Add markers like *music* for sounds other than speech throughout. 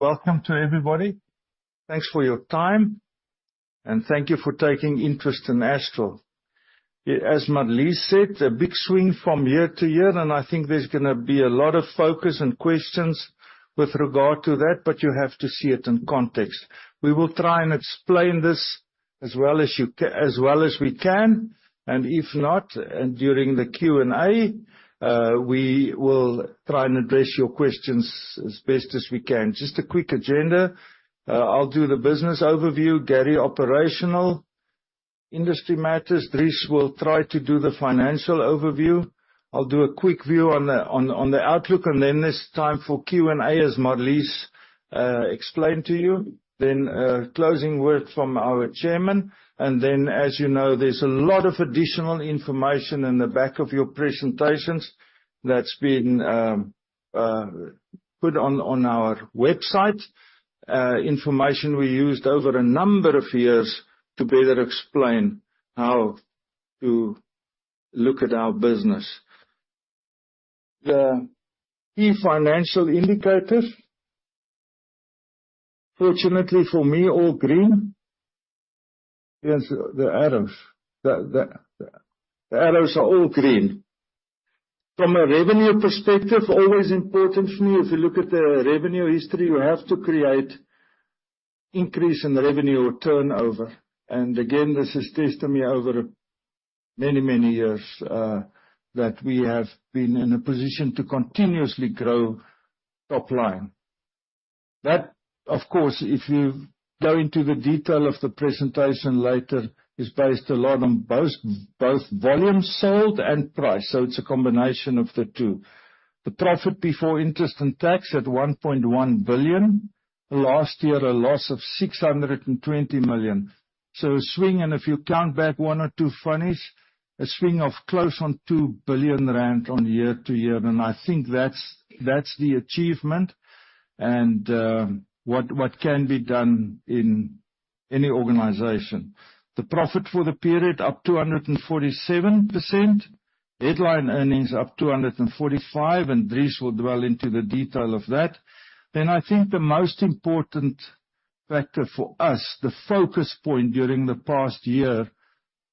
Welcome to everybody. Thanks for your time, and thank you for taking interest in Astral. As Marlise said, a big swing from year to year, and I think there's going to be a lot of focus and questions with regard to that, but you have to see it in context. We will try and explain this as well as we can, and if not, during the Q&A, we will try and address your questions as best as we can. Just a quick agenda: I'll do the business overview, Gary operational, industry matters. Dries will try to do the financial overview. I'll do a quick view on the outlook, and then it's time for Q&A as Marlise explained to you. Then closing words from our chairman, and then, as you know, there's a lot of additional information in the back of your presentations that's been put on our website, information we used over a number of years to better explain how to look at our business. The key financial indicators, fortunately for me, all green. The arrows are all green. From a revenue perspective, always important for me, if you look at the revenue history, you have to create an increase in revenue or turnover. And again, this is testimony over many, many years that we have been in a position to continuously grow top line. That, of course, if you go into the detail of the presentation later, is based a lot on both volume sold and price, so it's a combination of the two. The profit before interest and tax at 1.1 billion. Last year, a loss of 620 million. So a swing, and if you count back one or two funnies, a swing of close on 2 billion rand year on year, and I think that's the achievement and what can be done in any organization. The profit for the period up 247%, headline earnings up 245%, and Dries will delve into the detail of that. Then I think the most important factor for us, the focus point during the past year,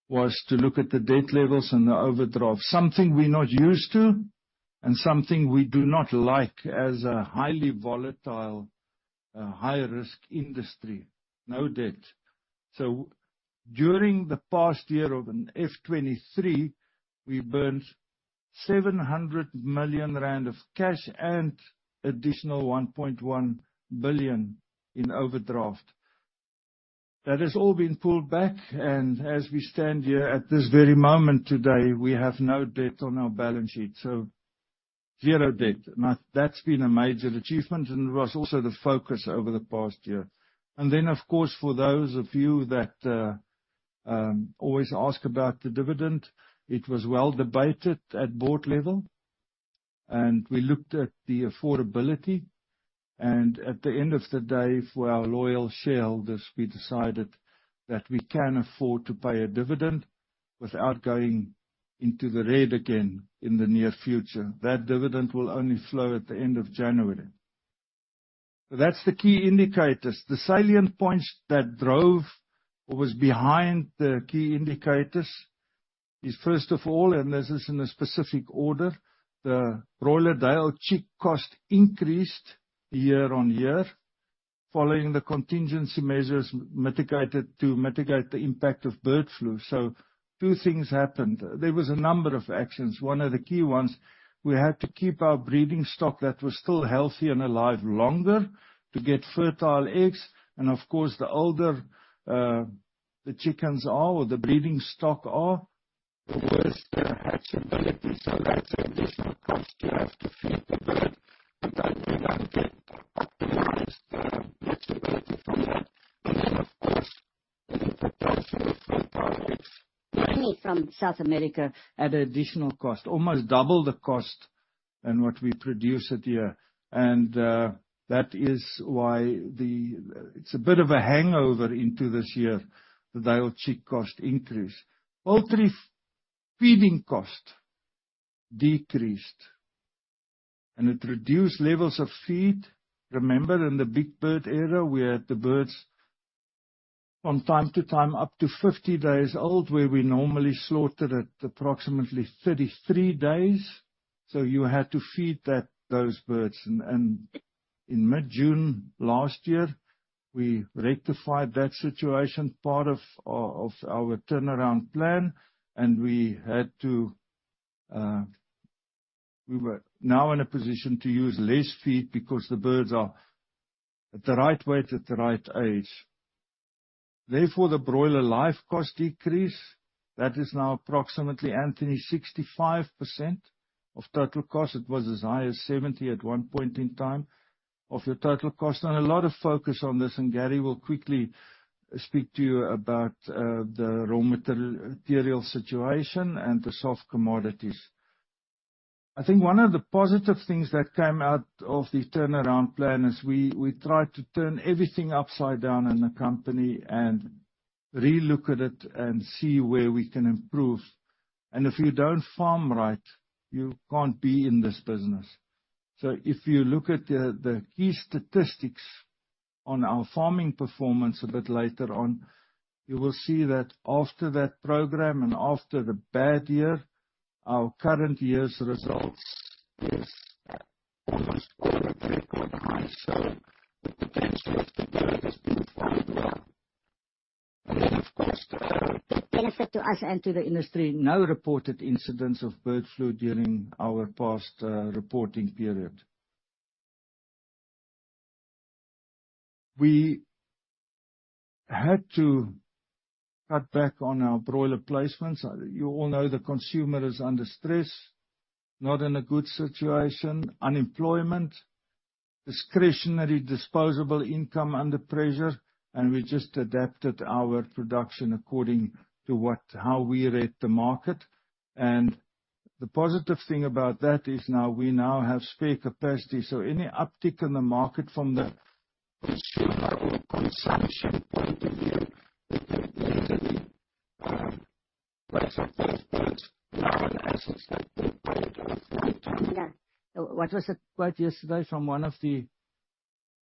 was to look at the debt levels and the overdraft, something we're not used to and something we do not like as a highly volatile, high-risk industry, no debt. So during the past year of FY23, we burned 700 million rand of cash and additional 1.1 billion in overdraft. That has all been pulled back, and as we stand here at this very moment today, we have no debt on our balance sheet, so zero debt, and that's been a major achievement, and it was also the focus over the past year. And then, of course, for those of you that always ask about the dividend, it was well debated at board level, and we looked at the affordability, and at the end of the day, for our loyal shareholders, we decided that we can afford to pay a dividend without going into the red again in the near future. That dividend will only flow at the end of January. That's the key indicators. The salient points that drove or was behind the key indicators is first of all, and this is in a specific order, the broiler day-old chick cost increased year on year following the contingency measures to mitigate the impact of bird flu. So two things happened. There was a number of actions. One of the key ones, we had to keep our breeding stock that was still healthy and alive longer to get fertile eggs, and of course, the older the chickens are or the breeding stock are, the worse the hatchability, so that's an additional cost. *audio distortion* Money from South America at an additional cost, almost double the cost than what we produce a year, and that is why it's a bit of a hangover into this year, the day-old chick cost increase. Poultry feeding cost decreased, and it reduced levels of feed. Remember in the big bird era, we had the birds from time to time up to 50 days old, where we normally slaughtered at approximately 33 days, so you had to feed those birds. And in mid-June last year, we rectified that situation, part of our turnaround plan, and we had to, we were now in a position to use less feed because the birds are at the right weight at the right age. Therefore, the broiler life cost decreased, that is now approximately, Anthony, 65% of total cost. It was as high as 70% at one point in time of your total cost, and a lot of focus on this, and Gary will quickly speak to you about the raw material situation and the soft commodities. I think one of the positive things that came out of the turnaround plan is we tried to turn everything upside down in the company and relook at it and see where we can improve. And if you don't farm right, you can't be in this business. So if you look at the key statistics on our farming performance a bit later on, you will see that after that program and after the bad year, our current year's results is *audio distortion* And then, of course. Benefit to us and to the industry, no reported incidents of bird flu during our past reporting period. We had to cut back on our broiler placements. You all know the consumer is under stress, not in a good situation, unemployment, discretionary disposable income under pressure, and we just adapted our production according to how we read the market. And the positive thing about that is now we have spare capacity, so any uptick in the market from the consumption point of view, particularly the risk of bird flu, is now an asset that we're going to afford. Yeah. What was the quote yesterday from one of the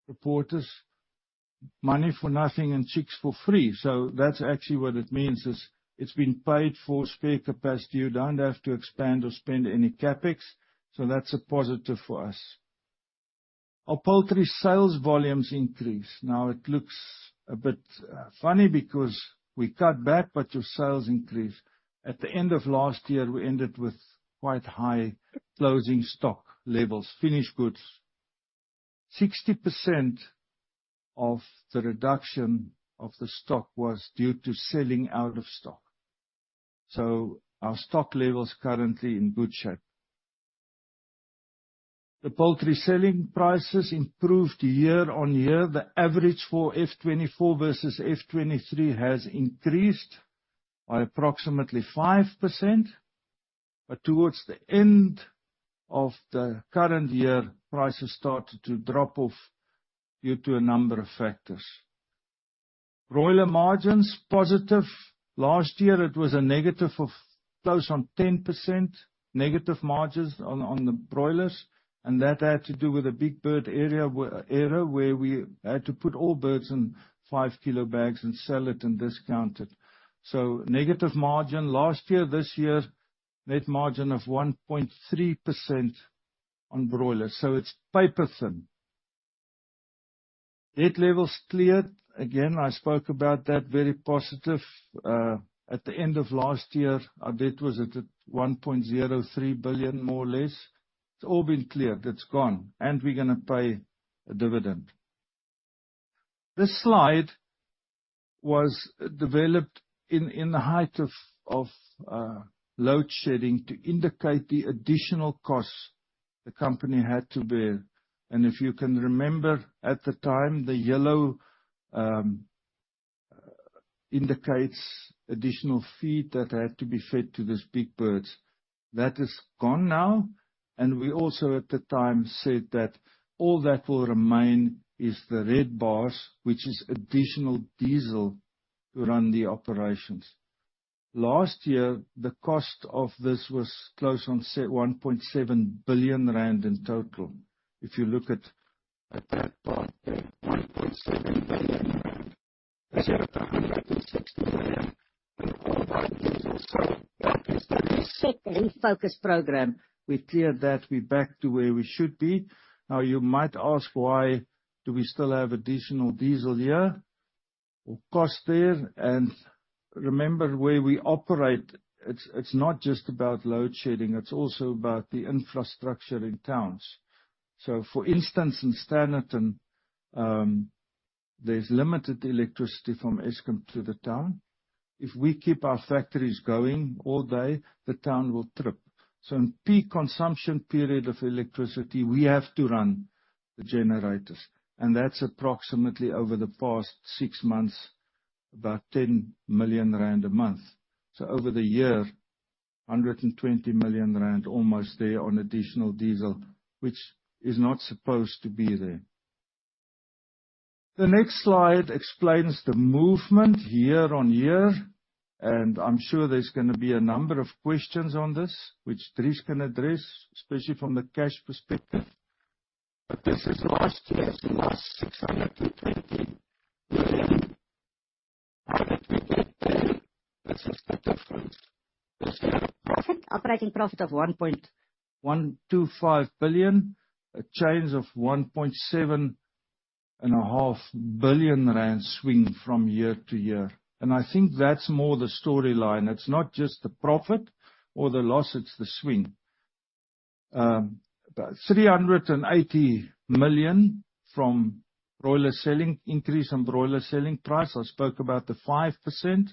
reporters? "Money for nothing and chicks for free." So that's actually what it means is it's been paid for spare capacity. You don't have to expand or spend any CapEx, so that's a positive for us. Our poultry sales volumes increased. Now, it looks a bit funny because we cut back, but your sales increased. At the end of last year, we ended with quite high closing stock levels, finished goods. 60% of the reduction of the stock was due to selling out of stock. So our stock level is currently in good shape. The poultry selling prices improved year on year. The average for F24 versus F23 has increased by approximately 5%, but towards the end of the current year, prices started to drop off due to a number of factors. Broiler margins positive. Last year, it was a negative of close on 10% negative margins on the broilers, and that had to do with a big bird area where we had to put all birds in five-kilo bags and sell it and discount it. So negative margin last year, this year, net margin of 1.3% on broilers, so it's paper thin. Net levels cleared. Again, I spoke about that very positive. At the end of last year, our debt was at 1.03 billion, more or less. It's all been cleared. It's gone, and we're going to pay a dividend. This slide was developed in the height of load shedding to indicate the additional costs the company had to bear. If you can remember, at the time, the yellow indicates additional feed that had to be fed to these big birds. That is gone now, and we also at the time said that all that will remain is the red bars, which is additional diesel to run the operations. Last year, the cost of this was close on 1.7 billion rand in total. If you look at that. *audio distortion* So that is the. Focus program. We've cleared that. We're back to where we should be. Now, you might ask, why do we still have additional diesel here or cost there? And remember, where we operate, it's not just about load shedding. It's also about the infrastructure in towns. So for instance, in Standerton, there's limited electricity from Eskom to the town. If we keep our factories going all day, the town will trip. So in peak consumption period of electricity, we have to run the generators, and that's approximately over the past six months, about 10 million rand a month. So over the year, 120 million rand almost there on additional diesel, which is not supposed to be there. The next slide explains the movement year on year, and I'm sure there's going to be a number of questions on this, which Dries can address, especially from the cash perspective. *audio distortion* This is the difference. This year. Operating profit of 1.125 billion, a change of 1.75 billion rand swing from year to year. I think that's more the storyline. It's not just the profit or the loss, it's the swing. 380 million from broiler selling increase on broiler selling price. I spoke about the 5%.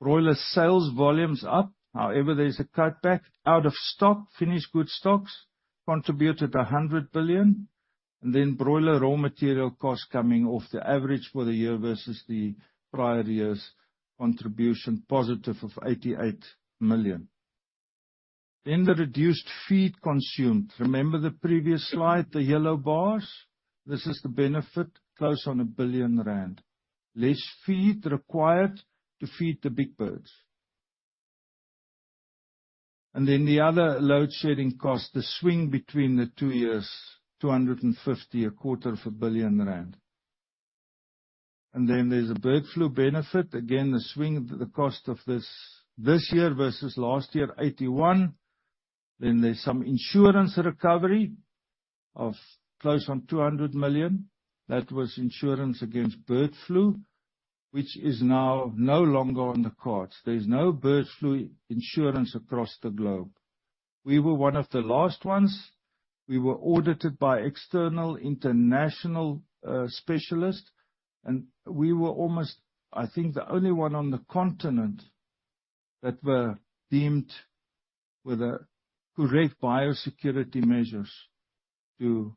Broiler sales volumes up. However, there's a cutback. Out of stock, finished goods stocks contributed 100 million, and then broiler raw material costs coming off the average for the year versus the prior year's contribution positive of 88 million. Then the reduced feed consumed. Remember the previous slide, the yellow bars? This is the benefit, close on 1 billion rand. Less feed required to feed the big birds. And then the other load shedding cost, the swing between the two years, 250 million, a quarter of a billion rand. And then there's a bird flu benefit. Again, the swing, the cost of this year versus last year, 81 million. Then there's some insurance recovery of close on 200 million. That was insurance against bird flu, which is now no longer on the cards. There's no bird flu insurance across the globe. We were one of the last ones. We were audited by external international specialists, and we were almost, I think, the only one on the continent that were deemed with the correct biosecurity measures to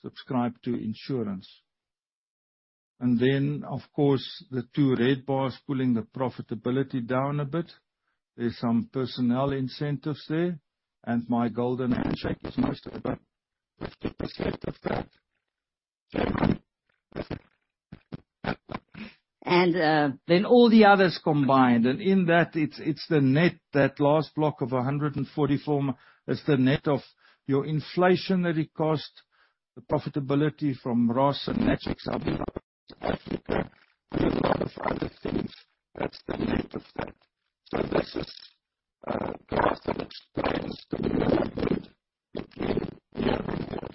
subscribe to insurance. Of course, the two red bars pulling the profitability down a bit. There's some personnel incentives there, and my golden handshake is most about 50% of that. All the others combined. In that, it's the net, that last block of 144 million, it's the net of your inflationary cost, the profitability from Ross and, *audio distortion* and a lot of other things. That's the net of that. *audio distortion* What is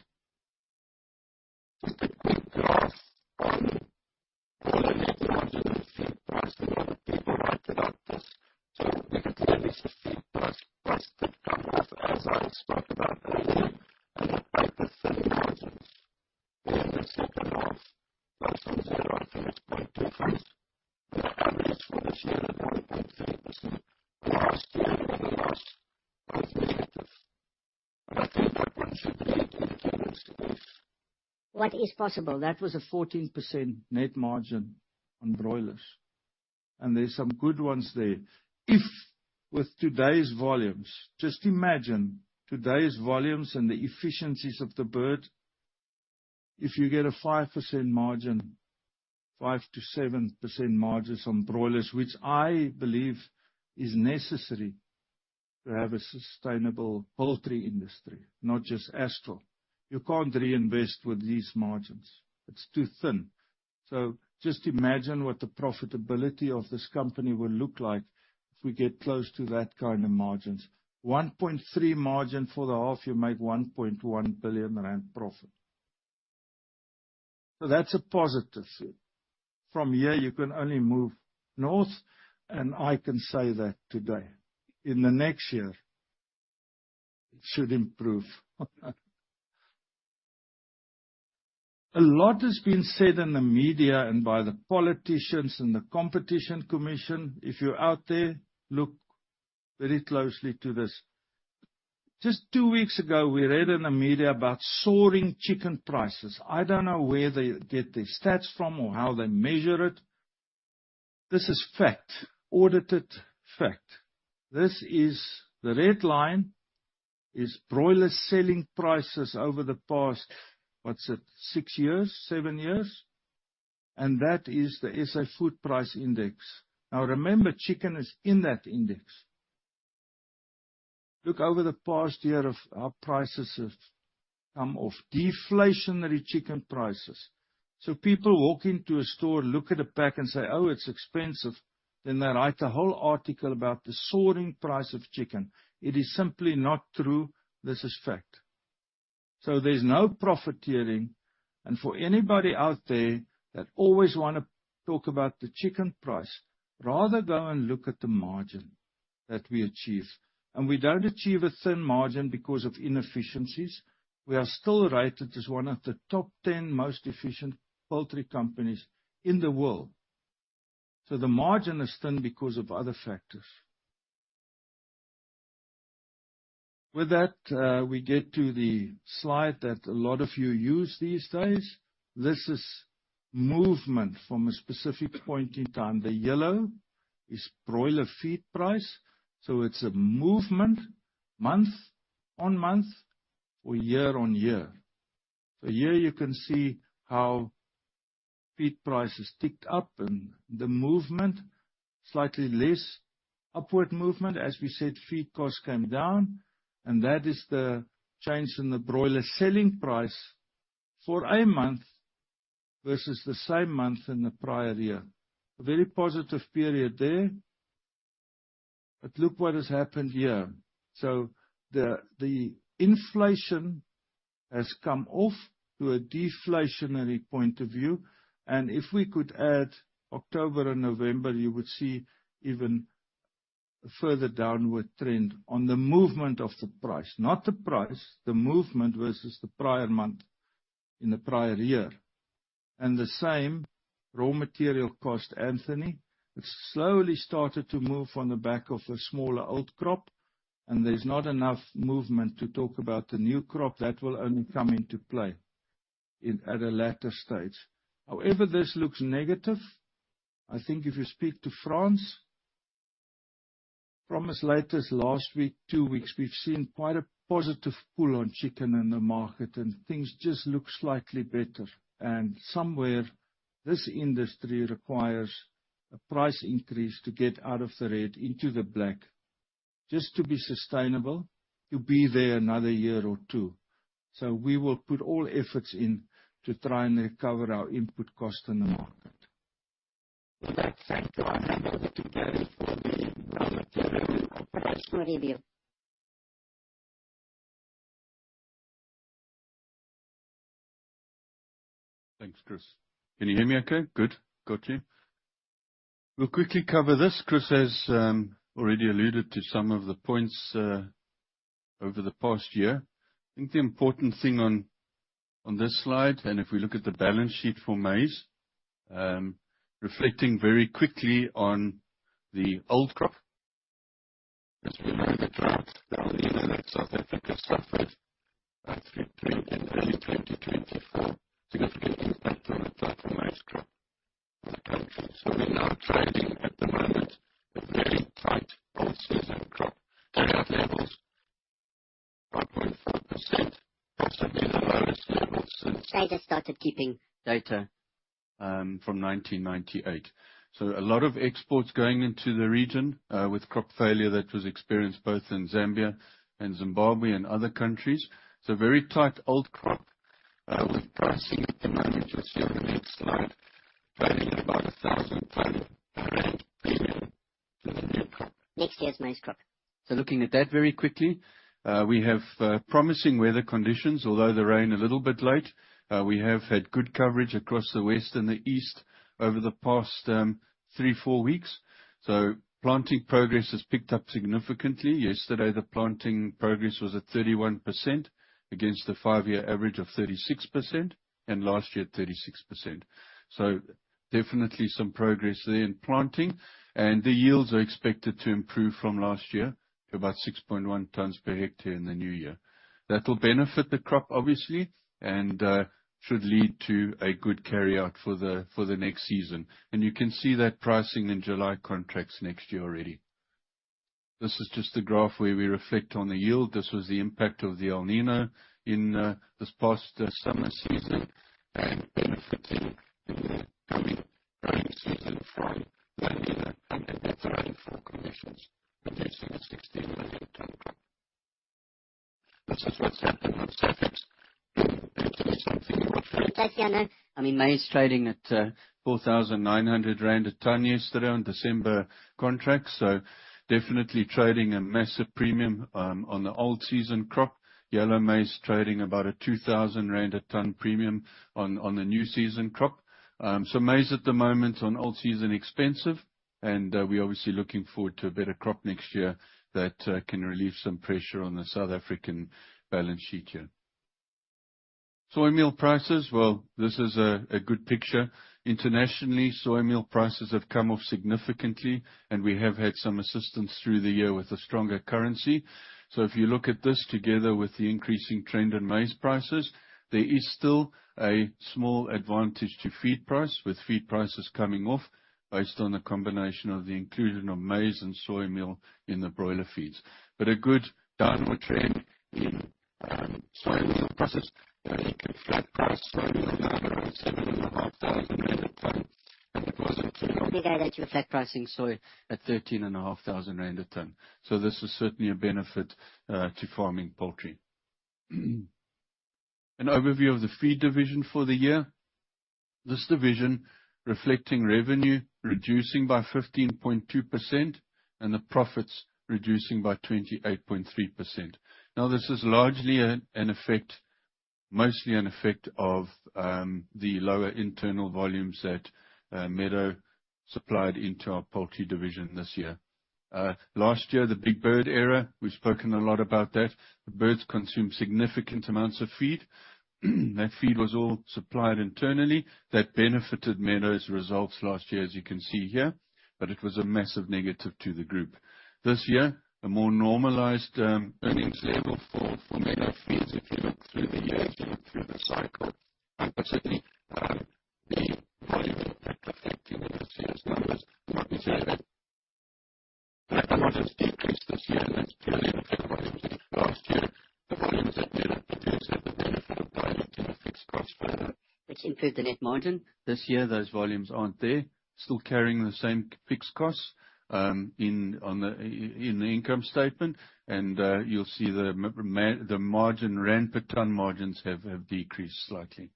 possible? That was a 14% net margin on broilers, and there's some good ones there. If with today's volumes, just imagine today's volumes and the efficiencies of the bird. If you get a 5% margin, 5%-7% margins on broilers, which I believe is necessary to have a sustainable poultry industry, not just Astral. You can't reinvest with these margins. It's too thin. So just imagine what the profitability of this company will look like if we get close to that kind of margins. 1.3 margin for the half, you make 1.1 billion rand profit. So that's a positive view. From here, you can only move north, and I can say that today. In the next year, it should improve. A lot has been said in the media and by the politicians and the Competition Commission. If you're out there, look very closely to this. Just two weeks ago, we read in the media about soaring chicken prices. I don't know where they get their stats from or how they measure it. This is fact, audited fact. This is the red line: broiler selling prices over the past, what's it, six years, seven years, and that is the CPI Food Price Index. Now, remember, chicken is in that index. Look over the past year of how prices have come off, deflationary chicken prices. So people walk into a store, look at a pack and say, "Oh, it's expensive." Then they write a whole article about the soaring price of chicken. It is simply not true. This is fact. So there's no profiteering. And for anybody out there that always want to talk about the chicken price, rather go and look at the margin that we achieve. And we don't achieve a thin margin because of inefficiencies. We are still rated as one of the top 10 most efficient poultry companies in the world. So the margin is thin because of other factors. With that, we get to the slide that a lot of you use these days. This is movement from a specific point in time. The yellow is broiler feed price. So it's a movement month on month or year on year. So here you can see how feed prices ticked up and the movement, slightly less upward movement. As we said, feed costs came down, and that is the change in the broiler selling price for a month versus the same month in the prior year. A very positive period there. But look what has happened here. So the inflation has come off to a deflationary point of view. And if we could add October and November, you would see even a further downward trend on the movement of the price. Not the price, the movement versus the prior month in the prior year. And the same raw material cost, Anthony, it slowly started to move on the back of a smaller old crop, and there's not enough movement to talk about the new crop. That will only come into play at a later stage. However, this looks negative. I think if you speak to Frans, from as late as last week, two weeks, we've seen quite a positive pull on chicken in the market, and things just look slightly better. And somewhere, this industry requires a price increase to get out of the red into the black, just to be sustainable, to be there another year or two. So we will put all efforts into try and recover our input cost in the market. *audio distortion* Thanks, Chris. Can you hear me okay? Good. Got you. We'll quickly cover this. Chris has already alluded to some of the points over the past year. I think the important thing on this slide, and if we look at the balance sheet for maize, reflecting very quickly on the old crop, as we look at the graph, the South African crop suffered about 3 billion in early 2024. Significant impact on the type of maize crop in the country. So we're now trading at the moment a very tight old season crop. Carryout levels, 5.4%, possibly the lowest level since. They started keeping data from 1998. So a lot of exports going into the region with crop failure that was experienced both in Zambia and Zimbabwe and other countries. So very tight old crop with pricing at the moment. You'll see on the next slide, trading about 1,000 tons per region per year to the new crop. Next year's maize crop. So looking at that very quickly, we have promising weather conditions, although the rain a little bit late. We have had good coverage across the west and the east over the past three, four weeks. So planting progress has picked up significantly. Yesterday, the planting progress was at 31% against a five-year average of 36%, and last year, 36%. So definitely some progress there in planting. And the yields are expected to improve from last year to about 6.1 tons per hectare in the new year. That will benefit the crop, obviously, and should lead to a good carryout for the next season, and you can see that pricing in July contracts next year already. This is just the graph where we reflect on the yield. This was the impact of the El Niño in this past summer season and benefiting in the upcoming growing season from La Niña and the better rainfall conditions, reducing a 16 million ton crop. This is what's happened on Safex. There's actually something more tricky. I mean, maize trading at 4,900 rand a ton yesterday on December contracts. So definitely trading a massive premium on the old season crop. Yellow maize trading about a 2,000 rand a ton premium on the new season crop. So maize at the moment on old season expensive, and we're obviously looking forward to a better crop next year that can relieve some pressure on the South African balance sheet here. Soy meal prices, well, this is a good picture. Internationally, soy meal prices have come off significantly, and we have had some assistance through the year with a stronger currency. So if you look at this together with the increasing trend in maize prices, there is still a small advantage to feed price with feed prices coming off based on the combination of the inclusion of maize and soy meal in the broiler feeds. But a good downward trend in soy meal prices. You can flat price soy meal now around ZAR 7,500 a ton, and it wasn't too long ago that you were flat pricing soy at 13,500 rand a ton. This is certainly a benefit to farming poultry. An overview of the feed division for the year. This division reflecting revenue reducing by 15.2% and the profits reducing by 28.3%. Now, this is largely an effect, mostly an effect of the lower internal volumes that Meadow supplied into our poultry division this year. Last year, the big bird era, we've spoken a lot about that. The birds consumed significant amounts of feed. That feed was all supplied internally. That benefited Meadow's results last year, as you can see here, but it was a massive negative to the group. This year, a more normalized earnings level for Meadow feeds if you look through the years, look through the cycle. And certainly, the volume effect affecting this year's numbers might be to the net margins decreased this year, and that's purely affected by last year. The volumes that did increase had the benefit of driving to the fixed cost further, which improved the net margin. This year, those volumes aren't there. Still carrying the same fixed costs in the income statement, and you'll see the margin rand per ton margins have decreased slightly.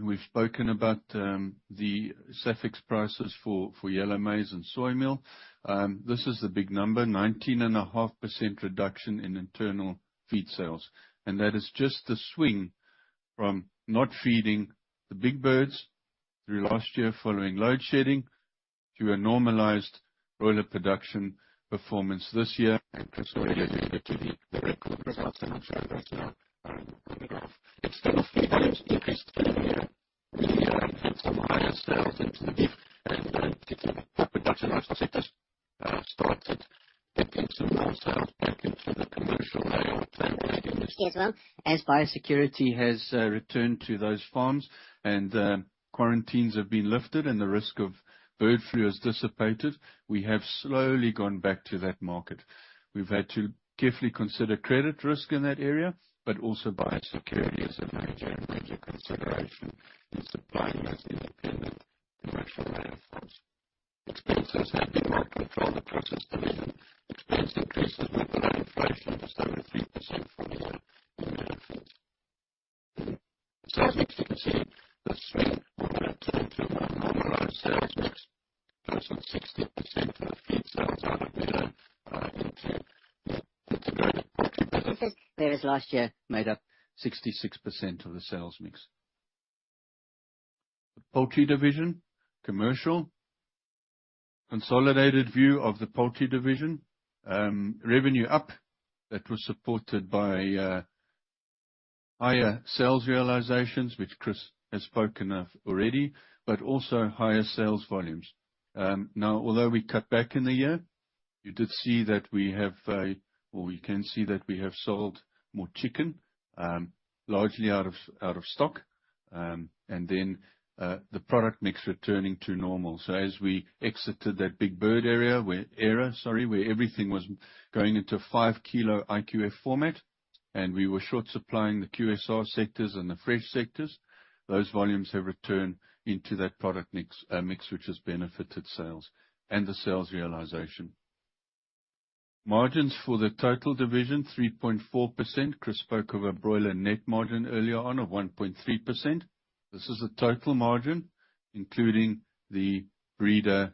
We've spoken about the Safex prices for yellow maize and soy meal. This is the big number, 19.5% reduction in internal feed sales, and that is just the swing from not feeding the big birds through last year following load shedding to a normalized broiler production performance this year, and so related to the record results and ensure there's no cut-off. Instead of feed volumes decreased earlier, we've had some higher sales into the beef and into the production sectors started dipping some of those sales back into the commercial layer of plant breeding as well. As biosecurity has returned to those farms and quarantines have been lifted and the risk of bird flu has dissipated, we have slowly gone back to that market. We've had to carefully consider credit risk in that area, but also biosecurity is a major consideration in supplying those independent commercial farms. Expenses have been well controlled across this division. Expense increases with inflation of 73% for the year in Meadow. So as you can see, the swing from that swing to a more normalized sales mix goes from 60% of the feed sales out. *audio distortion* Which is, whereas last year made up 66% of the sales mix. Poultry division, commercial, consolidated view of the poultry division, revenue up that was supported by higher sales realizations, which Chris has spoken of already, but also higher sales volumes. Now, although we cut back in the year, you did see that we have, or we can see that we have sold more chicken, largely out of stock, and then the product mix returning to normal. So as we exited that big bird area, era, sorry, where everything was going into five kilo IQF format, and we were short supplying the QSR sectors and the fresh sectors, those volumes have returned into that product mix, which has benefited sales and the sales realization. Margins for the total division, 3.4%. Chris spoke of a broiler net margin earlier on of 1.3%. This is a total margin including the breeder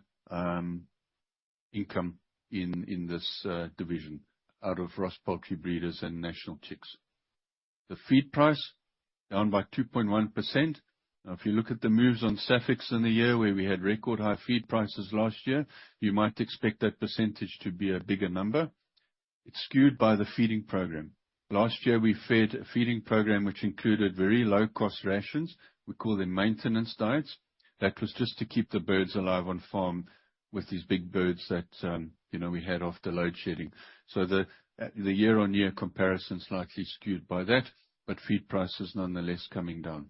income in this division out of Ross Poultry Breeders and National Chicks. The feed price down by 2.1%. Now, if you look at the moves on Safex in the year where we had record high feed prices last year, you might expect that percentage to be a bigger number. It's skewed by the feeding program. Last year, we fed a feeding program which included very low-cost rations. We call them maintenance diets. That was just to keep the birds alive on farm with these big birds that we had after load shedding. So the year-on-year comparison is likely skewed by that, but feed prices nonetheless coming down,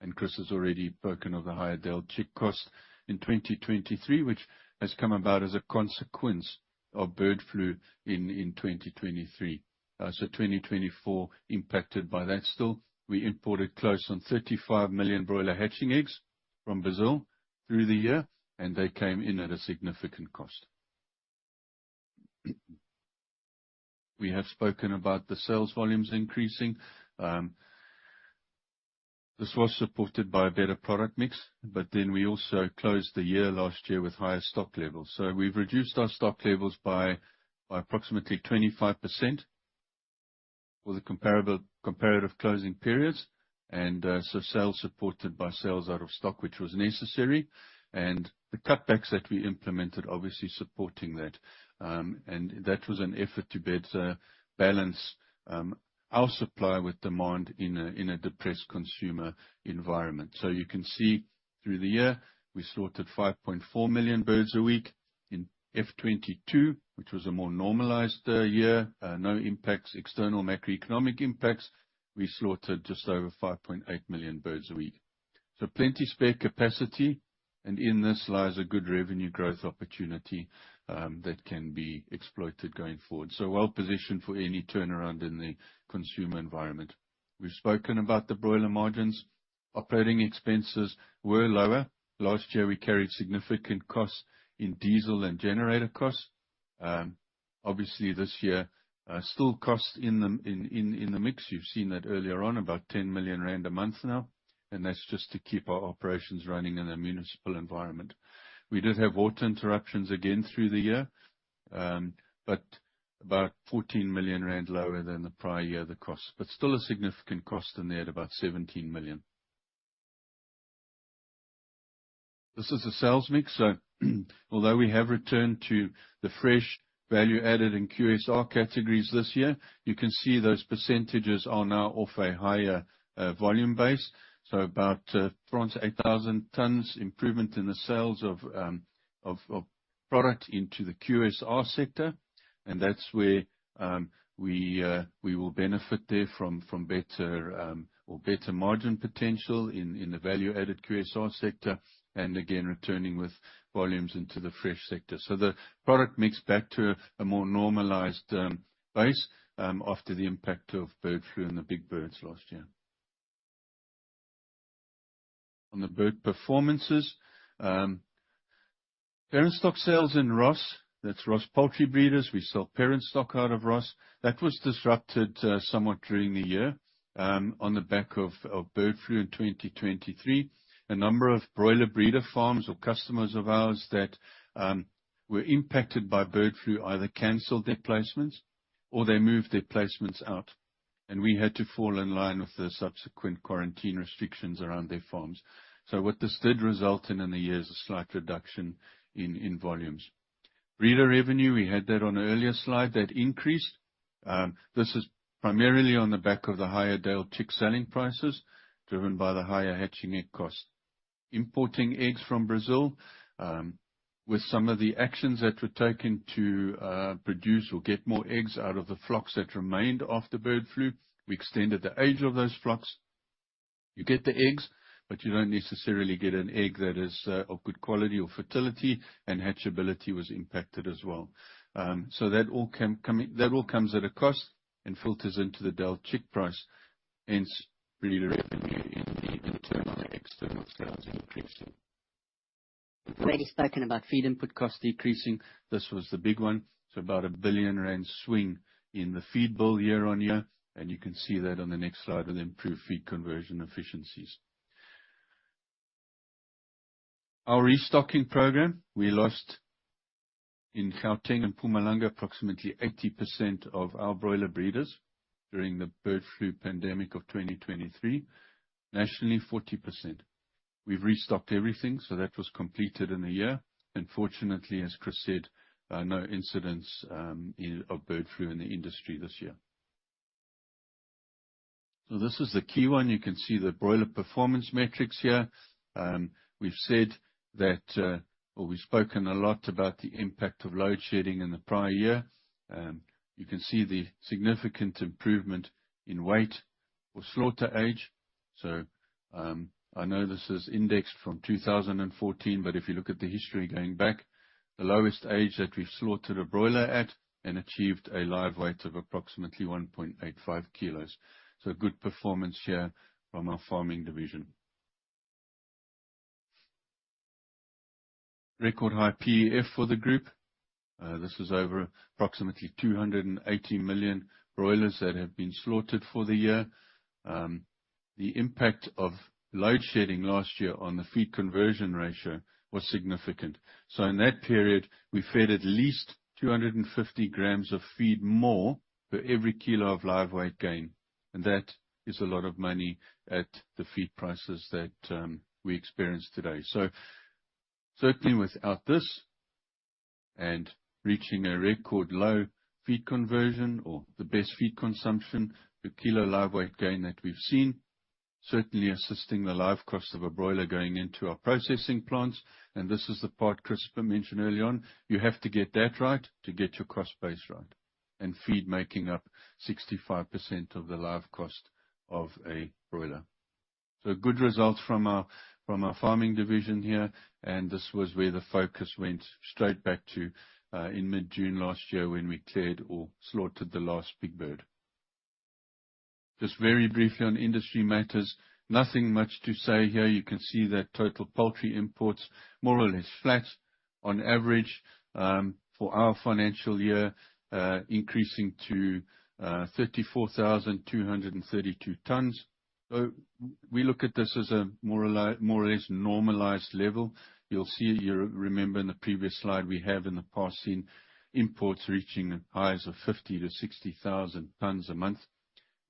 and Chris has already spoken of the higher day-old chick cost in 2023, which has come about as a consequence of bird flu in 2023, so 2024 impacted by that still. We imported close on 35 million broiler hatching eggs from Brazil through the year, and they came in at a significant cost. We have spoken about the sales volumes increasing. This was supported by a better product mix, but then we also closed the year last year with higher stock levels, so we've reduced our stock levels by approximately 25% with comparative closing periods, and so sales supported by sales out of stock, which was necessary, and the cutbacks that we implemented obviously supporting that, and that was an effort to better balance our supply with demand in a depressed consumer environment, so you can see through the year, we slaughtered 5.4 million birds a week in F22, which was a more normalized year. No impacts, external macroeconomic impacts. We slaughtered just over 5.8 million birds a week, so plenty spare capacity, and in this lies a good revenue growth opportunity that can be exploited going forward, so well positioned for any turnaround in the consumer environment. We've spoken about the broiler margins. Operating expenses were lower. Last year, we carried significant costs in diesel and generator costs. Obviously, this year, still costs in the mix. You've seen that earlier on, about 10 million rand a month now. And that's just to keep our operations running in a municipal environment. We did have water interruptions again through the year, but about 14 million rand lower than the prior year, the costs. But still a significant cost in there at about 17 million. This is a sales mix. So although we have returned to the fresh value added in QSR categories this year, you can see those percentages are now off a higher volume base. So about 8,000 tons improvement in the sales of product into the QSR sector. That's where we will benefit there from better or better margin potential in the value added QSR sector and again returning with volumes into the fresh sector. So the product mix back to a more normalized base after the impact of bird flu and the big birds last year. On the bird performances, parent stock sales in Ross, that's Ross Poultry Breeders. We sold parent stock out of Ross. That was disrupted somewhat during the year on the back of bird flu in 2023. A number of broiler breeder farms or customers of ours that were impacted by bird flu either canceled their placements or they moved their placements out. And we had to fall in line with the subsequent quarantine restrictions around their farms. So what this did result in in the year is a slight reduction in volumes. Breeder revenue, we had that on an earlier slide that increased. This is primarily on the back of the higher day-old chick selling prices driven by the higher hatching egg cost. Importing eggs from Brazil with some of the actions that were taken to produce or get more eggs out of the flocks that remained after bird flu. We extended the age of those flocks. You get the eggs, but you don't necessarily get an egg that is of good quality or fertility, and hatchability was impacted as well. So that all comes at a cost and filters into the day-old chick price. Hence, breeder revenue in the internal and external sales increased. We've already spoken about feed input cost decreasing. This was the big one. So about 1 billion rand swing in the feed bill year on year. You can see that on the next slide with improved feed conversion efficiencies. Our restocking program, we lost in Gauteng and Mpumalanga approximately 80% of our broiler breeders during the bird flu pandemic of 2023. Nationally, 40%. We've restocked everything, so that was completed in a year. And fortunately, as Chris said, no incidents of bird flu in the industry this year. So this is the key one. You can see the broiler performance metrics here. We've said that, or we've spoken a lot about the impact of load shedding in the prior year. You can see the significant improvement in weight or slaughter age. So I know this is indexed from 2014, but if you look at the history going back, the lowest age that we've slaughtered a broiler at and achieved a live weight of approximately 1.85 kilos. So good performance here from our farming division. Record high PEF for the group. This is over approximately 280 million broilers that have been slaughtered for the year. The impact of load shedding last year on the feed conversion ratio was significant, so in that period, we fed at least 250 grams of feed more for every kilo of live weight gain, and that is a lot of money at the feed prices that we experienced today, so certainly without this and reaching a record low feed conversion or the best feed consumption, the kilo live weight gain that we've seen, certainly assisting the live cost of a broiler going into our processing plants, and this is the part Chris mentioned early on. You have to get that right to get your cost base right and feed making up 65% of the live cost of a broiler, so good results from our farming division here. And this was where the focus went straight back to in mid-June last year when we cleared or slaughtered the last big bird. Just very briefly on industry matters, nothing much to say here. You can see that total poultry imports more or less flat on average for our financial year, increasing to 34,232 tons. So we look at this as a more or less normalized level. You'll see, you remember in the previous slide, we have in the past seen imports reaching highs of 50,000-60,000 tons a month.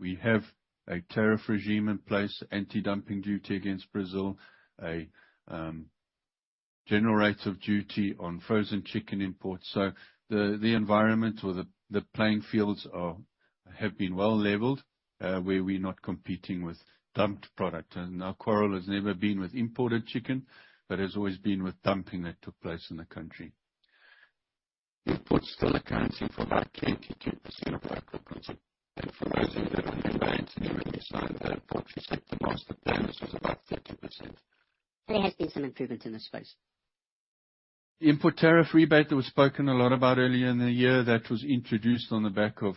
We have a tariff regime in place, anti-dumping duty against Brazil, a general rate of duty on frozen chicken imports. So the environment or the playing fields have been well leveled where we're not competing with dumped product. And our quarrel has never been with imported chicken, but has always been with dumping that took place in the country. Imports still accounting for about 22% of our footprints, and for those of you that are new to the industry, when we signed the Poultry Sector Master Plan, this was about 30%. There has been some improvement in this space. The import tariff rebate that was spoken a lot about earlier in the year, that was introduced on the back of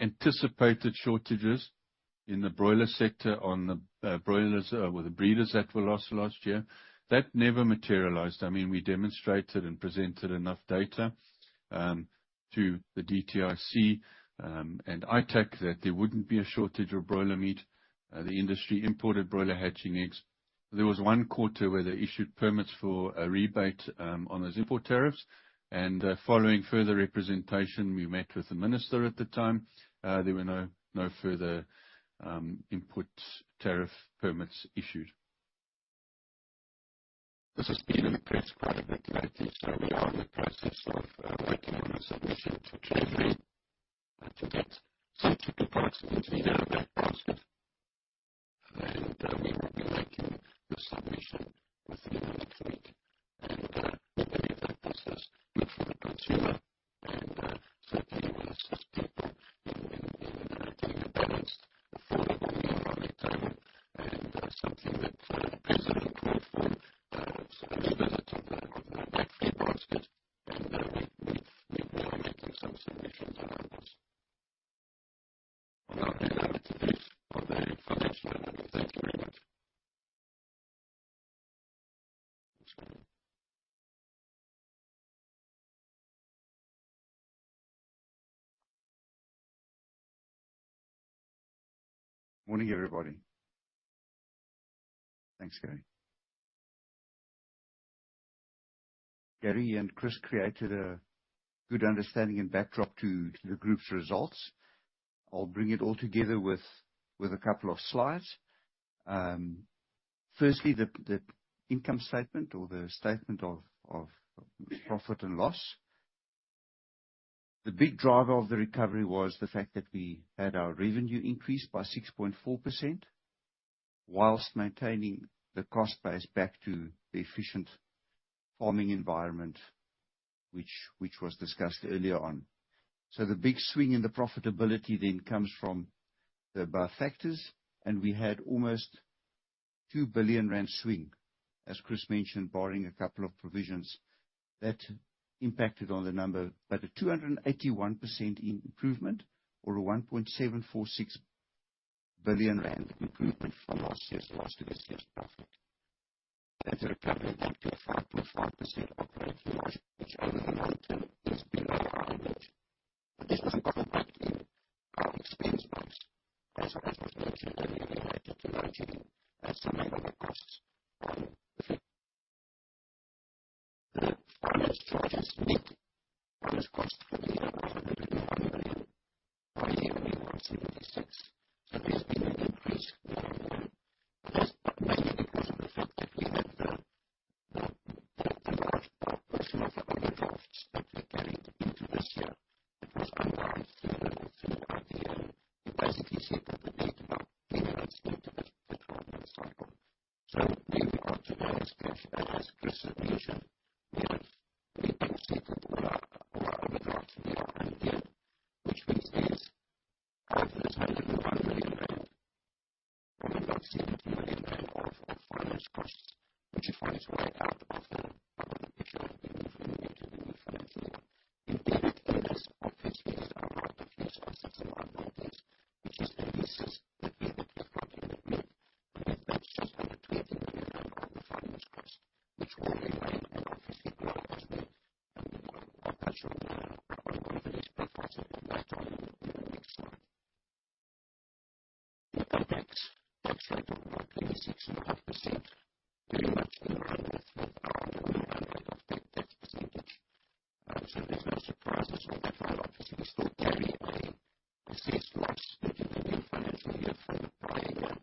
anticipated shortages in the broiler sector on the broilers or the breeders that were lost last year. That never materialized. I mean, we demonstrated and presented enough data to the DTIC and ITAC that there wouldn't be a shortage of broiler meat. The industry imported broiler hatching eggs. There was one quarter where they issued permits for a rebate on those import tariffs, and following further representation, we met with the minister at the time. There were no further import tariff permits issued. This has been in place quite a bit lately. So we are in the process of waiting on a submission to Treasury that was sent approximately the past week. And we will be making the submission within the next week. *audio distortion* On our dynamic debate on the financial area, thank you very much. Morning, everybody. Thanks, Gary. Gary and Chris created a good understanding and backdrop to the group's results. I'll bring it all together with a couple of slides. Firstly, the income statement or the statement of profit and loss. The big driver of the recovery was the fact that we had our revenue increase by 6.4% while maintaining the cost base back to the efficient farming environment, which was discussed earlier on. So the big swing in the profitability then comes from the above factors. And we had almost 2 billion rand swing, as Chris mentioned, barring a couple of provisions. That impacted on the number, but a 281% improvement or a 1.746 billion rand improvement from last year's loss to this year's profit. That's a recovery of 1.525% over the last year, which over the long term has been a big advantage. But this was an impact in our expense wise. As I was mentioning earlier, we added to our team some ongoing costs on the field. The feed shortage peaked at cost of ZAR 1.5 billion. *audio distortion* So there's been an increase over the year. But that's because of the fact that we had the large portion of the overdraft that we're carrying into this year that was under our full level through the year. We basically said that we need about ZAR 300 million to get to the 12-month cycle. So where we are today is, as Chris mentioned, we have been able to see that we are not at the draft year-end yet, which means there's either ZAR 35 million or about ZAR 70 million of finance costs, which finds way out of the picture that we need to do the financial work. Indeed, the earnings of this year are around a few thousands of rand, which is the basis that we would be able to make just under ZAR 20 million of the finance cost, which will remain about 50%. And we will, unfortunately, be fighting with that on the next one. *audio distortion* so there's no surprises on that one. Obviously, we still carry an assessed loss due to the new financial year for the prior year,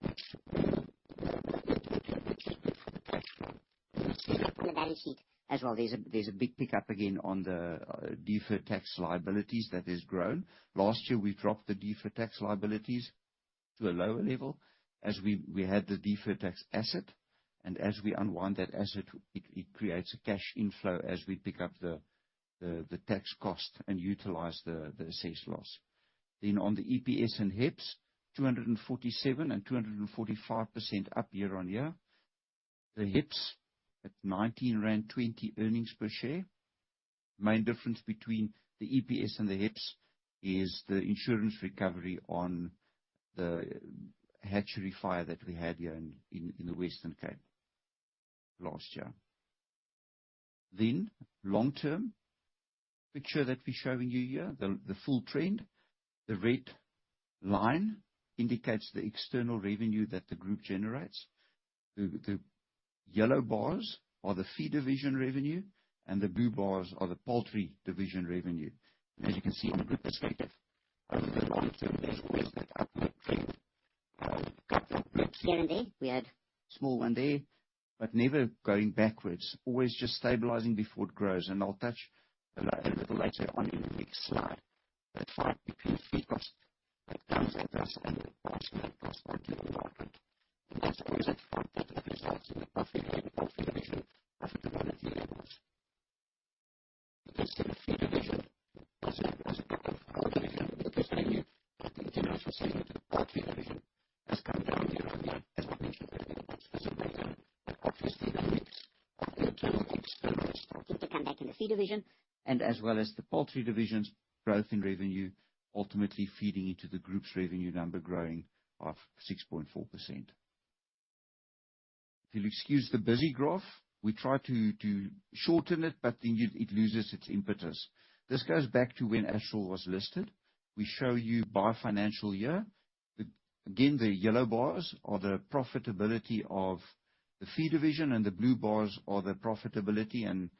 which will be a bit different than actual. We'll see that from the balance sheet. As well, there's a big pickup again on the deferred tax liabilities that has grown. Last year, we dropped the deferred tax liabilities to a lower level as we had the deferred tax asset. And as we unwind that asset, it creates a cash inflow as we pick up the tax cost and utilize the assessed loss, then on the EPS and HEPS, 247% and 245% up year on year. The HEPS at 19.20 rand earnings per share. The main difference between the EPS and the HEPS is the insurance recovery on the hatchery fire that we had here in the Western Cape last year. Then, the long-term picture that we're showing you here, the full trend. The red line indicates the external revenue that the group generates. The yellow bars are the feed division revenue, and the blue bars are the poultry division revenue. As you can see in the group perspective, over the long-term level, it's that upward trend. We got that blip here and there. We had a small one there, but never going backwards, always just stabilizing before it grows. And I'll touch a little later on in the next slide that 5% feed cost, that comes at us and the cost of the department. And that's always at 5% of the results in the poultry division profitability levels. But this feed division, as it was before the revenue because the internal sustainability of the poultry division has come down year on year, as I mentioned earlier. But obviously the mix of internal and external results. To come back in the feed division. And as well as the poultry division's growth in revenue, ultimately feeding into the group's revenue number growing of 6.4%. If you'll excuse the busy graph, we try to shorten it, but then it loses its impetus. This goes back to when Astral was listed. We show you by financial year. Again, the yellow bars are the profitability of the feed division, and the blue bars are the profitability and,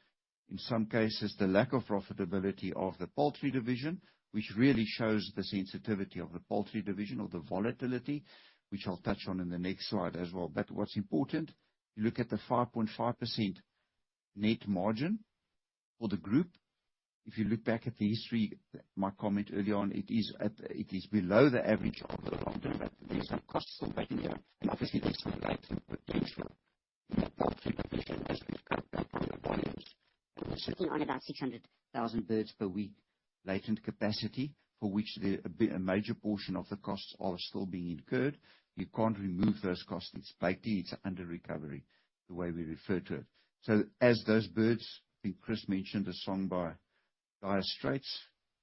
in some cases, the lack of profitability of the poultry division, which really shows the sensitivity of the poultry division or the volatility, which I'll touch on in the next slide as well. But what's important, you look at the 5.5% net margin for the group. If you look back at the history, my comment earlier on, it is below the average of the long-term that there's a cost of that in there. And obviously, there's a latent potential in the poultry division as we come back to the volumes. And. On about 600,000 birds per week latent capacity, for which a major portion of the costs are still being incurred. You can't remove those costs. It's platey. It's under recovery, the way we refer to it. So as those birds, I think Chris mentioned a song by Dire Straits.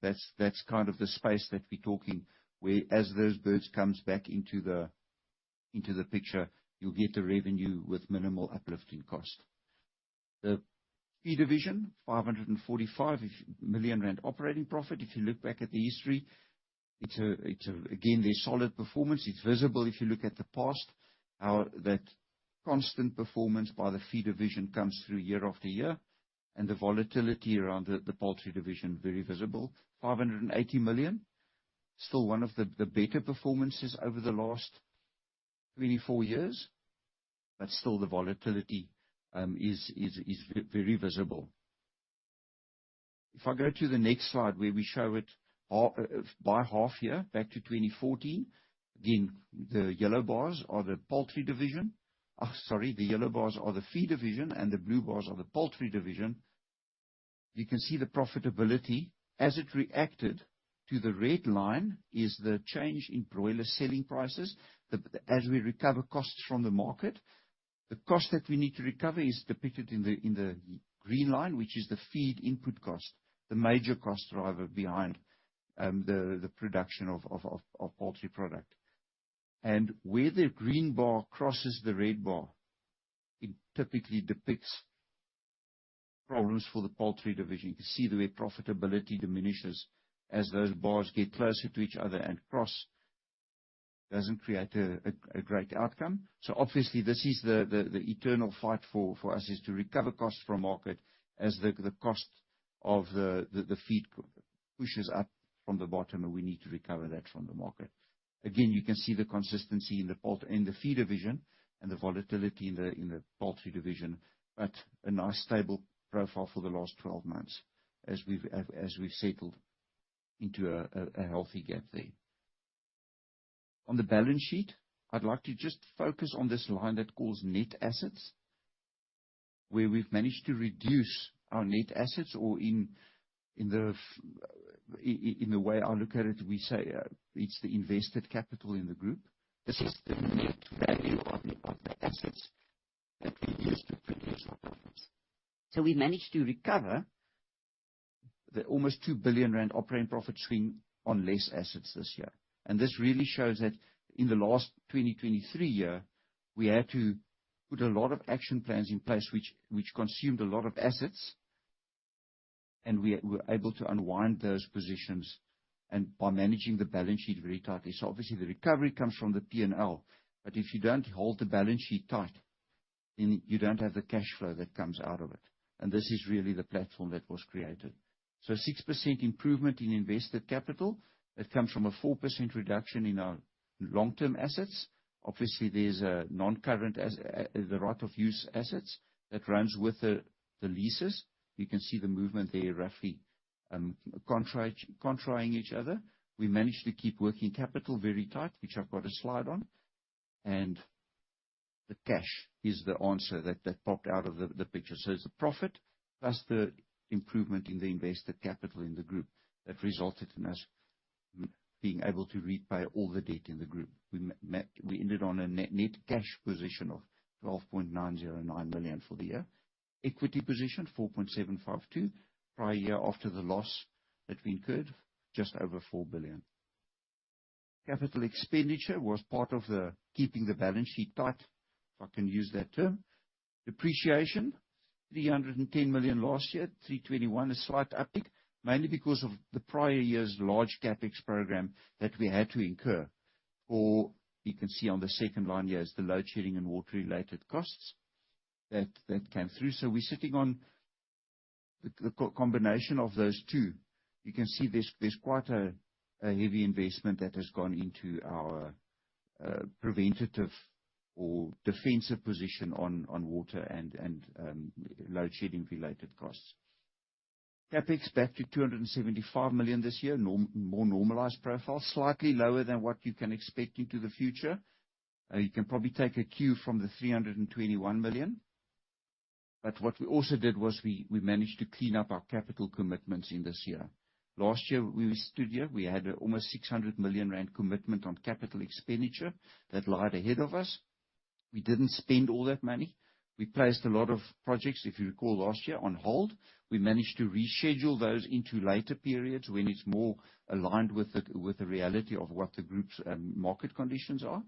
That's kind of the space that we're talking where, as those birds come back into the picture, you'll get the revenue with minimal uplifting cost. The feed division, 545 million rand operating profit. If you look back at the history, it's again, there's solid performance. It's visible if you look at the past, how that constant performance by the feed division comes through year after year. The volatility around the poultry division, very visible. 580 million, still one of the better performances over the last 24 years, but still the volatility is very visible. If I go to the next slide where we show it by half year, back to 2014, again, the yellow bars are the poultry division. Sorry, the yellow bars are the feed division, and the blue bars are the poultry division. You can see the profitability as it reacted to the red line is the change in broiler selling prices. As we recover costs from the market, the cost that we need to recover is depicted in the green line, which is the feed input cost, the major cost driver behind the production of poultry product. And where the green bar crosses the red bar, it typically depicts problems for the poultry division. You can see the way profitability diminishes as those bars get closer to each other and cross. It doesn't create a great outcome. So obviously, this is the eternal fight for us is to recover costs from market as the cost of the feed pushes up from the bottom, and we need to recover that from the market. Again, you can see the consistency in the feed division and the volatility in the poultry division, but a nice stable profile for the last 12 months as we've settled into a healthy gap there. On the balance sheet, I'd like to just focus on this line that calls net assets, where we've managed to reduce our net assets or in the way I look at it, we say it's the invested capital in the group. This is the net value of the assets that we used to produce our profits. So we've managed to recover the almost 2 billion rand operating profit swing on less assets this year. And this really shows that in the last 2023 year, we had to put a lot of action plans in place, which consumed a lot of assets, and we were able to unwind those positions by managing the balance sheet very tightly. So obviously, the recovery comes from the P&L. But if you don't hold the balance sheet tight, then you don't have the cash flow that comes out of it. And this is really the platform that was created. So 6% improvement in invested capital. It comes from a 4% reduction in our long-term assets. Obviously, there's a non-current, the right-of-use assets that runs with the leases. You can see the movement there roughly contrary to each other. We managed to keep working capital very tight, which I've got a slide on. And the cash is the answer that popped out of the picture. So it's the profit plus the improvement in the invested capital in the group that resulted in us being able to repay all the debt in the group. We ended on a net cash position of 12.909 million for the year. Equity position, 4.752 billion, prior year after the loss that we incurred, just over 4 billion. Capital expenditure was part of keeping the balance sheet tight, if I can use that term. Depreciation, 310 million last year, 321 million, a slight uptick, mainly because of the prior year's large CapEx program that we had to incur. Or you can see on the second line here is the load shedding and water-related costs that came through. So we're sitting on the combination of those two. You can see there's quite a heavy investment that has gone into our preventative or defensive position on water and load shedding-related costs. CapEx back to 275 million this year, more normalized profile, slightly lower than what you can expect into the future. You can probably take a cue from the 321 million. But what we also did was we managed to clean up our capital commitments in this year. Last year, we stood here. We had almost 600 million rand commitment on capital expenditure that lay ahead of us. We didn't spend all that money. We placed a lot of projects, if you recall, last year on hold. We managed to reschedule those into later periods when it's more aligned with the reality of what the group's market conditions are.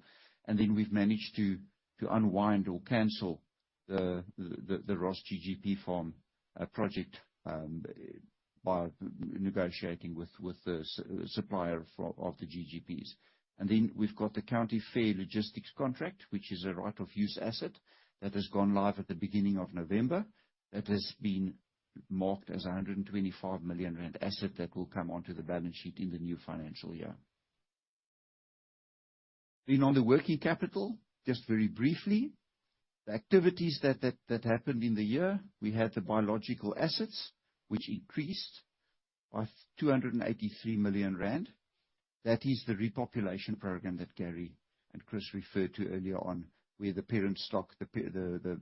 And then we've managed to unwind or cancel the Ross GGP farm project by negotiating with the supplier of the GGPs. And then we've got the County Fair Logistics contract, which is a right of use asset that has gone live at the beginning of November, that has been marked as a 125 million rand asset that will come onto the balance sheet in the new financial year. Then on the working capital, just very briefly, the activities that happened in the year, we had the biological assets, which increased by 283 million rand. That is the repopulation program that Gary and Chris referred to earlier on, where the parent stock, the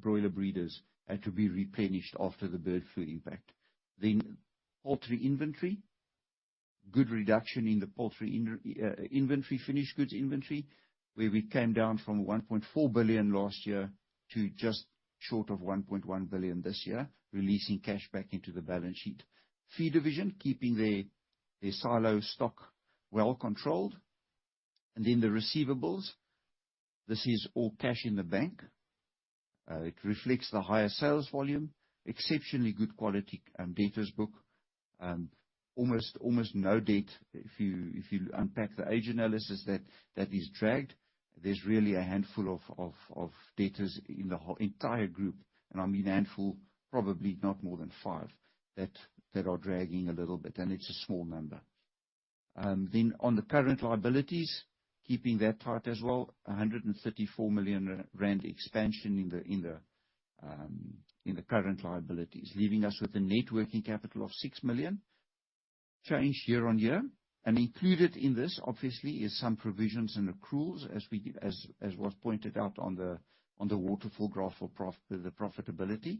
broiler breeders, had to be replenished after the bird flu impact. Then poultry inventory, good reduction in the poultry inventory, finished goods inventory, where we came down from 1.4 billion last year to just short of 1.1 billion this year, releasing cash back into the balance sheet. Feed division, keeping the silo stock well controlled. And then the receivables, this is all cash in the bank. It reflects the higher sales volume, exceptionally good quality debtors' book. Almost no debt. If you unpack the age analysis, that is dragged. There's really a handful of debtors in the entire group. And I mean a handful, probably not more than five, that are dragging a little bit, and it's a small number. Then on the current liabilities, keeping that tight as well, 134 million rand expansion in the current liabilities, leaving us with a net working capital of 6 million, changed year on year. And included in this, obviously, is some provisions and accruals, as was pointed out on the waterfall graph for the profitability,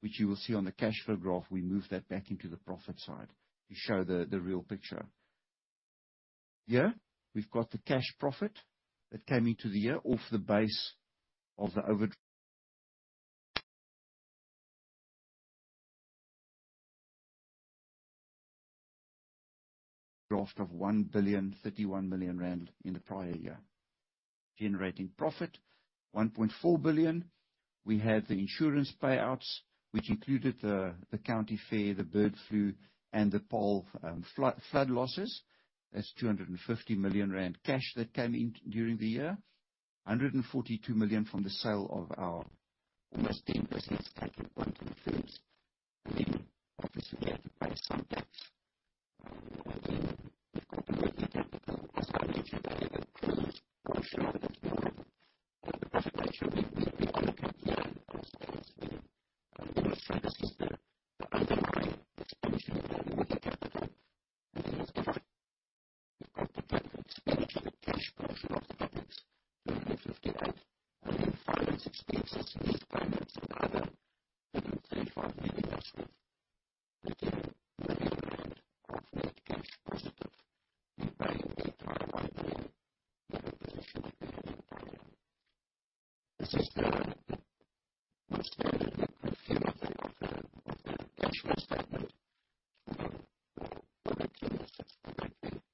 which you will see on the cash flow graph. We moved that back into the profit side to show the real picture. Here, we've got the cash profit that came into the year off the base of the overdraft of 1.031 billion in the prior year, generating profit 1.4 billion. We had the insurance payouts, which included the County Fair Chickens, the bird flu, and the pole flood losses. That's 250 million rand cash that came in during the year, 142 million from the sale of our almost 10% stake in County Fair Chickens. And then, obviously, we had to pay some debts. Again, we've got the working capital as a major portion of the utilization that we've been making here in the past. And we will see this *audio distortion* profits, ZAR 258 million. And then the finance expenses, debt payments and other ZAR 235 million that's with ZAR 13 million of net cash positive. We're paying ZAR 8.1 million in the provision that we had in prior. This is the most favorable figure on the cash flow statement for working capital correctly. *audio distortion*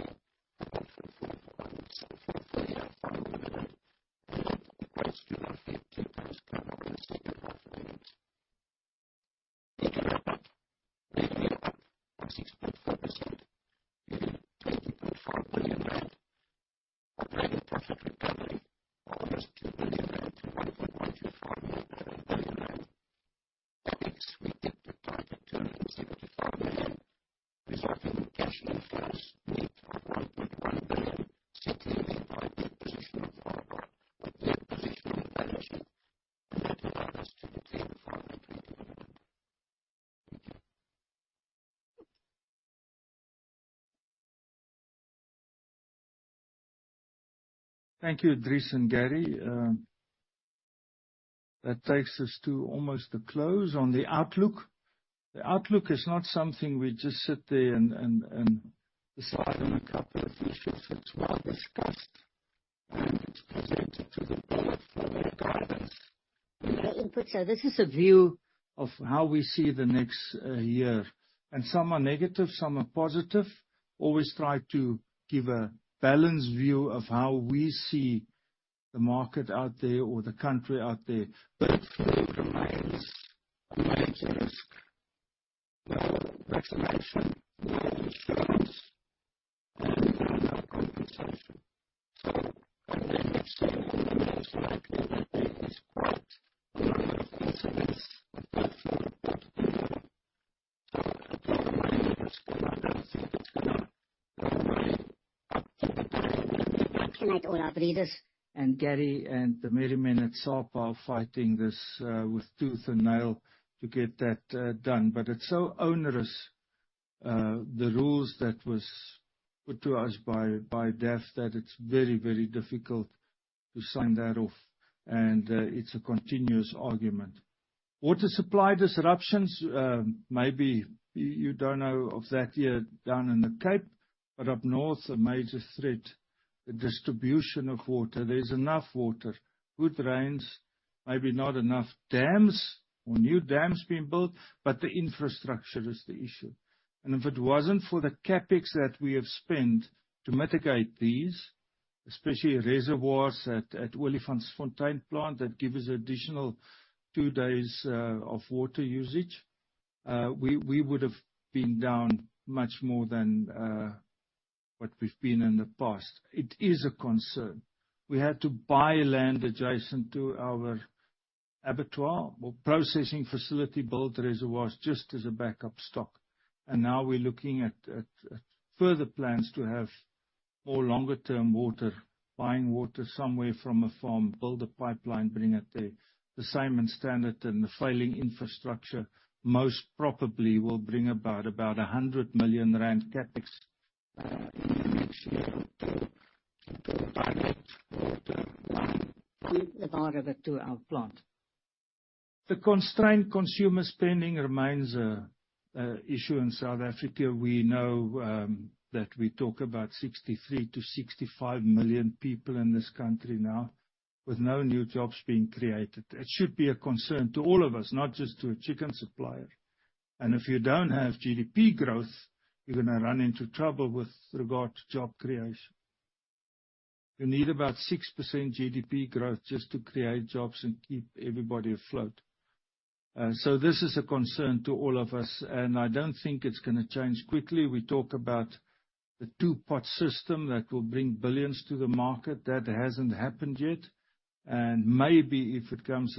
We grew up 6.4%, ZAR 20.5 million. Operating profit recovery, almost ZAR 2 million, 1.125 million. Obviously, we did the profit 275 million, resulting in cash inflows net of 1.1 billion, ZAR 685 million net position of ZAR 5.1 billion position on the balance sheet, and that allowed us to reclaim ZAR 521 million. Thank you. Thank you, Dries and Gary. That takes us to almost the close on the outlook. The outlook is not something we just sit there and decide on a couple of issues. It's well discussed, and it's presented to the board for their guidance. The inputs, so this is a view of how we see the next year, and some are negative, some are positive. Always try to give a balanced view of how we see the market out there or the country out there, but it still remains a major risk. No retraction, no insurance, and no compensation, so I think it's still a risk that is quite significant. Thank you, my honor, readers. And Gary and the management at SAPA are fighting this with tooth and nail to get that done. But it's so onerous, the rules that were put to us by DAFF, that it's very, very difficult to sign that off. And it's a continuous argument. Water supply disruptions, maybe you don't know of that year down in the Cape, but up north, a major threat, the distribution of water. There's enough water, good rains, maybe not enough dams or new dams being built, but the infrastructure is the issue. And if it wasn't for the CapEx that we have spent to mitigate these, especially reservoirs at Olifantsfontein Plant that give us additional two days of water usage, we would have been down much more than what we've been in the past. It is a concern. We had to buy land adjacent to our abattoir or processing facility, built reservoirs just as a backup stock. Now we're looking at further plans to have more longer-term water, buying water somewhere from a farm, build a pipeline, bring it there. The same and standard and the failing infrastructure most probably will bring about 100 million rand CapEx next year. We've added it to our plant. The constrained consumer spending remains an issue in South Africa. We know that we talk about 63 million-65 million people in this country now, with no new jobs being created. It should be a concern to all of us, not just to a chicken supplier. And if you don't have GDP growth, you're going to run into trouble with regard to job creation. You need about 6% GDP growth just to create jobs and keep everybody afloat. So this is a concern to all of us, and I don't think it's going to change quickly. We talk about the Two-pot system that will bring billions to the market. That hasn't happened yet. And maybe if it comes,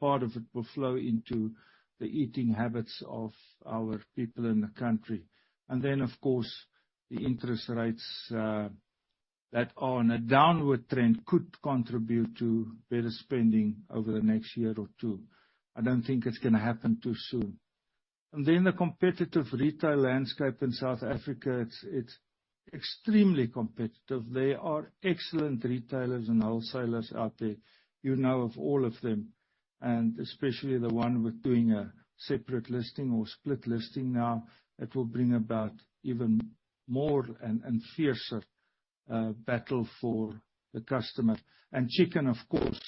part of it will flow into the eating habits of our people in the country. And then, of course, the interest rates that are on a downward trend could contribute to better spending over the next year or two. I don't think it's going to happen too soon. And then the competitive retail landscape in South Africa, it's extremely competitive. There are excellent retailers and wholesalers out there. You know of all of them, and especially the one doing a separate listing or split listing now, it will bring about even more and fiercer battle for the customer. And chicken, of course,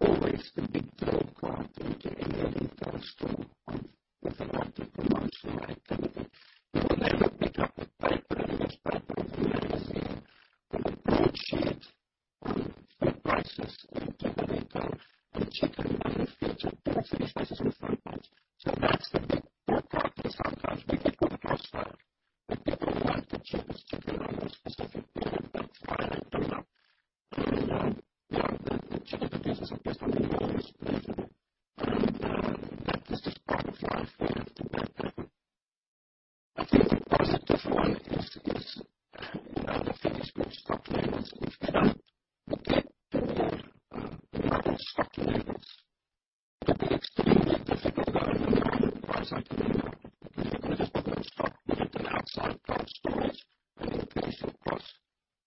always the big trade quarter to a store on if you want to promote your eggs. They will pick up the paper, the newspaper, the magazine, the brochure, the prices in the window, and chicken will feature too. Features in front of it. So that's the big four quarters. Sometimes we get the crossfire, but people like the chickens to go into a specific period. That's why they do not go to the chicken business because they always go to it and that is the spot of life we have to get there. I think the positive one is now the finished goods stock levels. If you don't get the birds the proper stock levels, it will be extremely difficult going forward, quite frankly. You've got to get the proper stock, get the outside cover stories and the official press,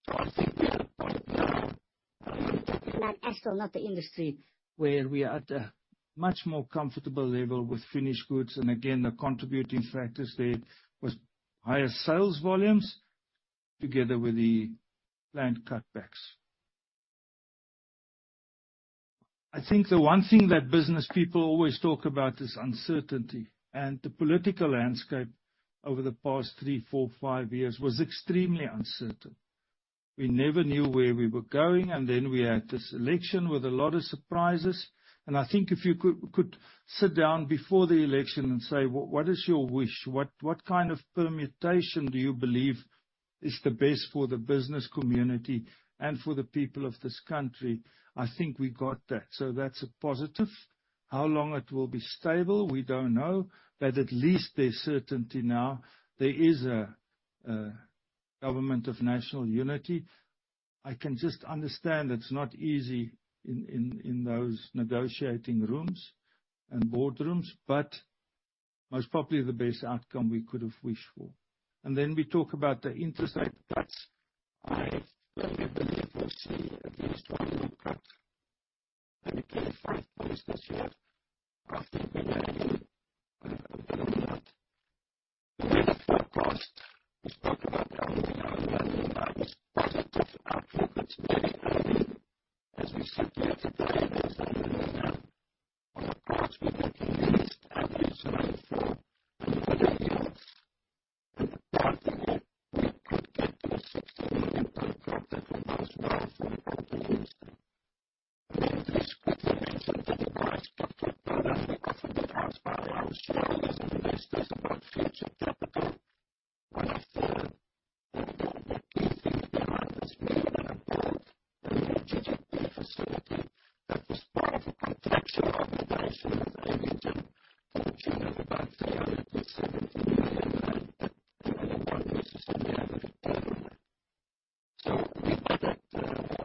so I think we are right now. Land, and so not the industry. Where we are at a much more comfortable level with finished goods. And again, the contributing factors there was higher sales volumes together with the land cutbacks. I think the one thing that business people always talk about is uncertainty. And the political landscape over the past three, four, five years was extremely uncertain. We never knew where we were going. And then we had this election with a lot of surprises. And I think if you could sit down before the election and say, "What is your wish? What kind of permutation do you believe is the best for the business community and for the people of this country?" I think we got that. So that's a positive. How long it will be stable, we don't know, but at least there's certainty now. There is a government of national unity. I can just understand it's not easy in those negotiating rooms and boardrooms, but most probably the best outcome we could have wished for, and then we talk about the interest rate cuts. I firmly believe we'll see at least one more cut, and it gave five points this year. Cost will be negative. We will not. *audio distortion* we could get to a ZAR 60 million cut profit for most powerful companies, and then Dries quickly mentioned that the price cap will go down because of the price barrier. I was sure all these investors about future capital, one of the key things behind this bill, and I'm told there will be a GGP facility that was part of a contractual obligation with Aviagen, which is about ZAR 370 million and 21 businesses in the area of Killarney. So we know that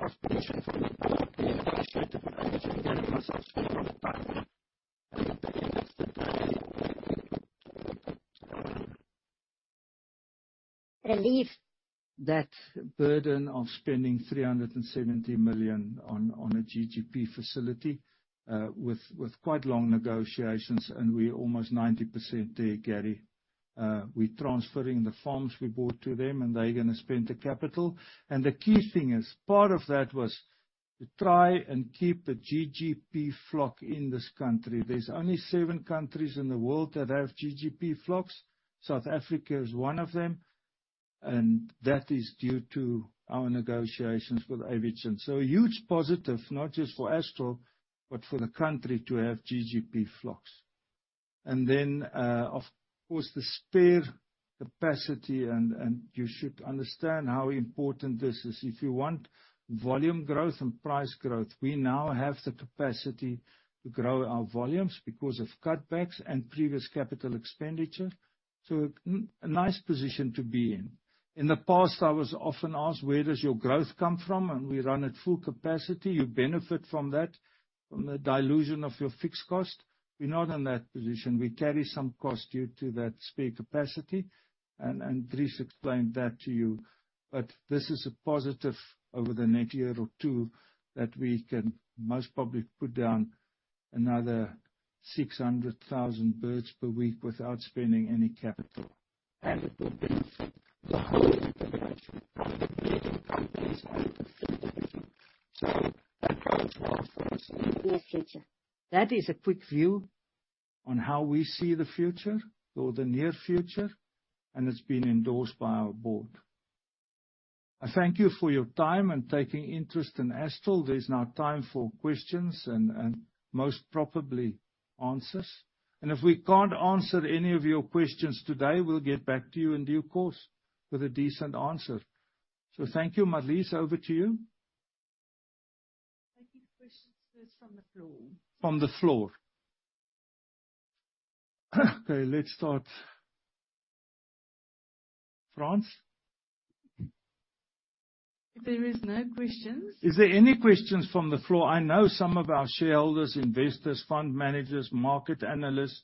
confirmation from the board will be negotiated with Aviagen. Gary myself, speaking with DAFF, I think that it is the best thing we can do. Relief. That burden of spending 370 million on a GGP facility with quite long negotiations, and we're almost 90% there, Gary. We're transferring the farms we bought to them, and they're going to spend the capital. And the key thing is part of that was to try and keep the GGP flock in this country. There's only seven countries in the world that have GGP flocks. South Africa is one of them. And that is due to our negotiations with Aviagen. So a huge positive, not just for Astral, but for the country to have GGP flocks. And then, of course, the spare capacity, and you should understand how important this is. If you want volume growth and price growth, we now have the capacity to grow our volumes because of cutbacks and previous capital expenditure. So a nice position to be in. In the past, I was often asked, "Where does your growth come from?" And we run at full capacity. You benefit from that, from the dilution of your fixed cost. We're not in that position. We carry some cost due to that spare capacity. And Dries explained that to you. But this is a positive over the next year or two that we can most probably put down another 600,000 birds per week without spending any capital. And it will be the whole integration of the breeding companies and the feeding. So that goes well for us. In the near future. That is a quick view on how we see the future or the near future, and it's been endorsed by our board. I thank you for your time and taking interest in Astral. There's now time for questions and most probably answers, and if we can't answer any of your questions today, we'll get back to you in due course with a decent answer, so thank you, Marlise. Over to you. I think questions first from the floor. From the floor. Okay, let's start. Frans? If there are no questions. Is there any questions from the floor? I know some of our shareholders, investors, fund managers, market analysts,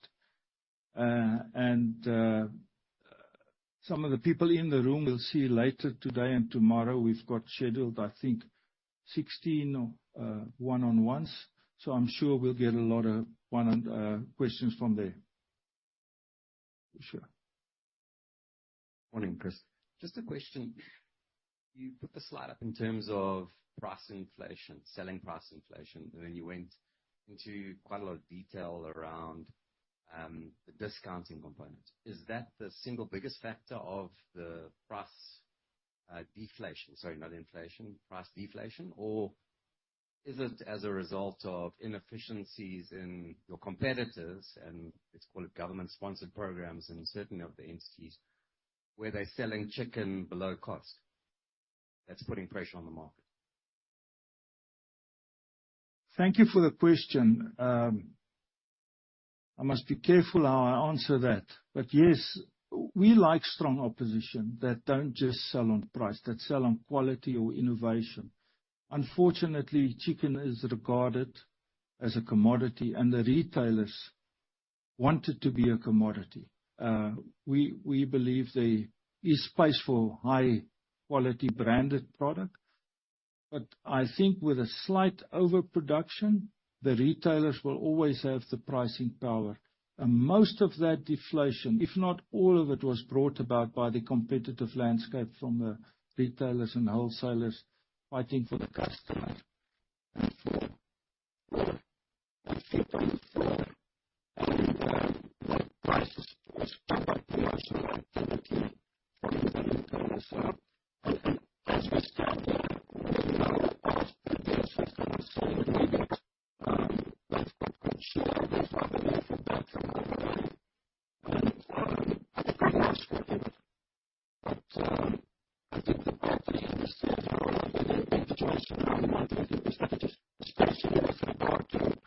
and some of the people in the room. We'll see later today and tomorrow. We've got scheduled, I think, 16 one-on-ones. So I'm sure we'll get a lot of questions from there. For sure. Morning, Chris. Just a question. You put the slide up in terms of price inflation, selling price inflation, and then you went into quite a lot of detail around the discounting component. Is that the single biggest factor of the price deflation? Sorry, not inflation, price deflation, or is it as a result of inefficiencies in your competitors? And let's call it government-sponsored programs and certainly of the entities where they're selling chicken below cost. That's putting pressure on the market. Thank you for the question. I must be careful how I answer that. But yes, we like strong competition that don't just sell on price, that sell on quality or innovation. Unfortunately, chicken is regarded as a commodity, and the retailers want it to be a commodity. We believe there is space for high-quality branded product. But I think with a slight overproduction, the retailers will always have the pricing power. And most of that deflation, if not all of it, was brought about by the competitive landscape from the retailers and wholesalers fighting for the customer and for the shelf space. And the prices were pushed down to us from the retailers' side. And as we stand here, we're now asking the businesses to sell the product. I'm sure they're probably back from the low and are asking us for input. But I think the board really understands the role of the regulatory change around 120%, especially with regard to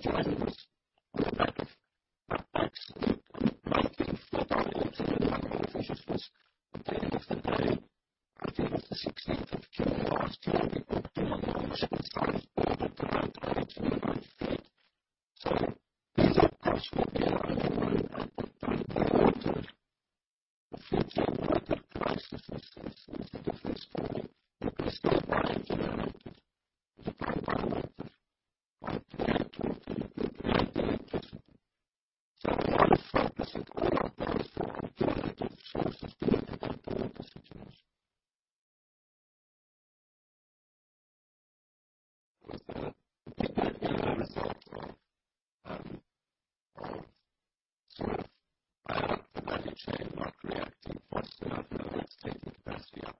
private farmers running businesses that are not really working for them. And that's because. What's the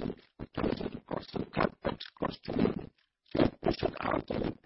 question of the land and stuff, not the selling price. If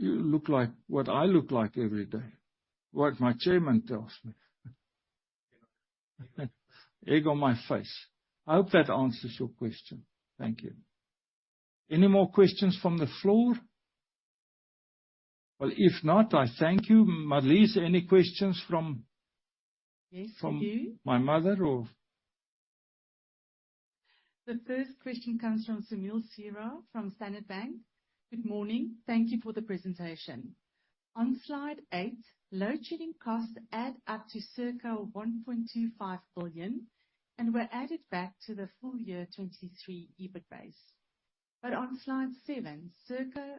You look like what I look like every day, what my chairman tells me. Egg on my face. I hope that answers your question. Thank you. Any more questions from the floor? Well, if not, I thank you. Marlise, any questions from. My mother or. The first question comes from Sumil Seeraj from Standard Bank. Good morning. Thank you for the presentation. On slide eight, load-shedding costs add up to circa 1.25 billion, and were added back to the full year 2023 EBIT base. But on slide seven, circa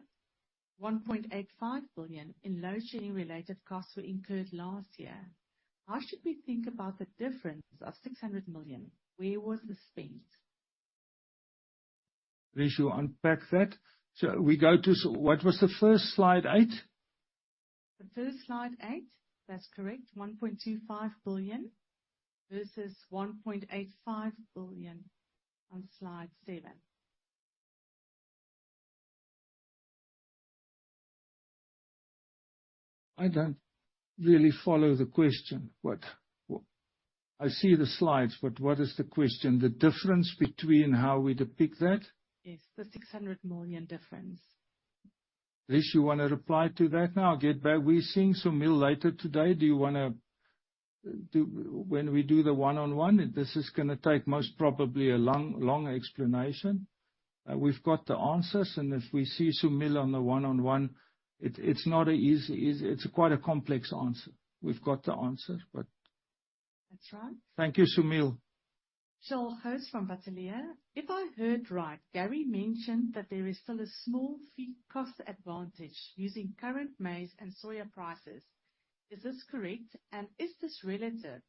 1.85 billion in load-shedding related costs were incurred last year. How should we think about the difference of 600 million? Where was it spent? Rishu, unpack that. So we go to what was the first slide eight? The first slide eight, that's correct, 1.25 billion versus 1.85 billion on slide seven. I do not really follow the question. I see the slides, but what is the question? The difference between how we depict that? Yes, the 600 million difference. Rishu, you want to reply to that now? We're seeing some mill later today. Do you want to when we do the one-on-one, this is going to take most probably a long explanation. We've got the answers. And if we see some mill on the one-on-one, it's not an easy. It's quite a complex answer. We've got the answers, but. That's right. Thank you, Sunil. Shaun Hose from Bateleur. If I heard right, Gary mentioned that there is still a small feed cost advantage using current maize and soya prices. Is this correct? And is this relative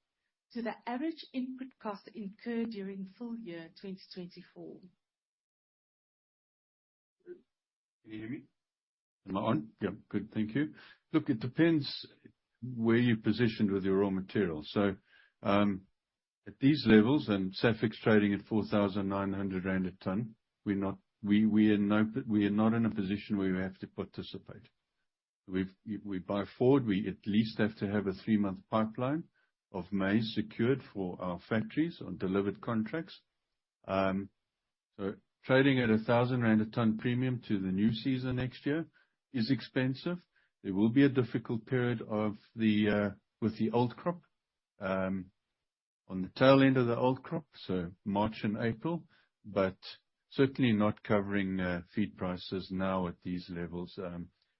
to the average input cost incurred during full year 2024? Can you hear me? Am I on? Yeah. Good. Thank you. Look, it depends where you're positioned with your raw material. So at these levels and SAFEX trading at 4,900 rand a ton, we're not—we are not in a position where we have to participate. We buy forward. We at least have to have a three-month pipeline of maize secured for our factories on delivered contracts. So trading at 1,000 rand a ton premium to the new season next year is expensive. There will be a difficult period with the old crop on the tail end of the old crop, so March and April, but certainly not covering feed prices now at these levels.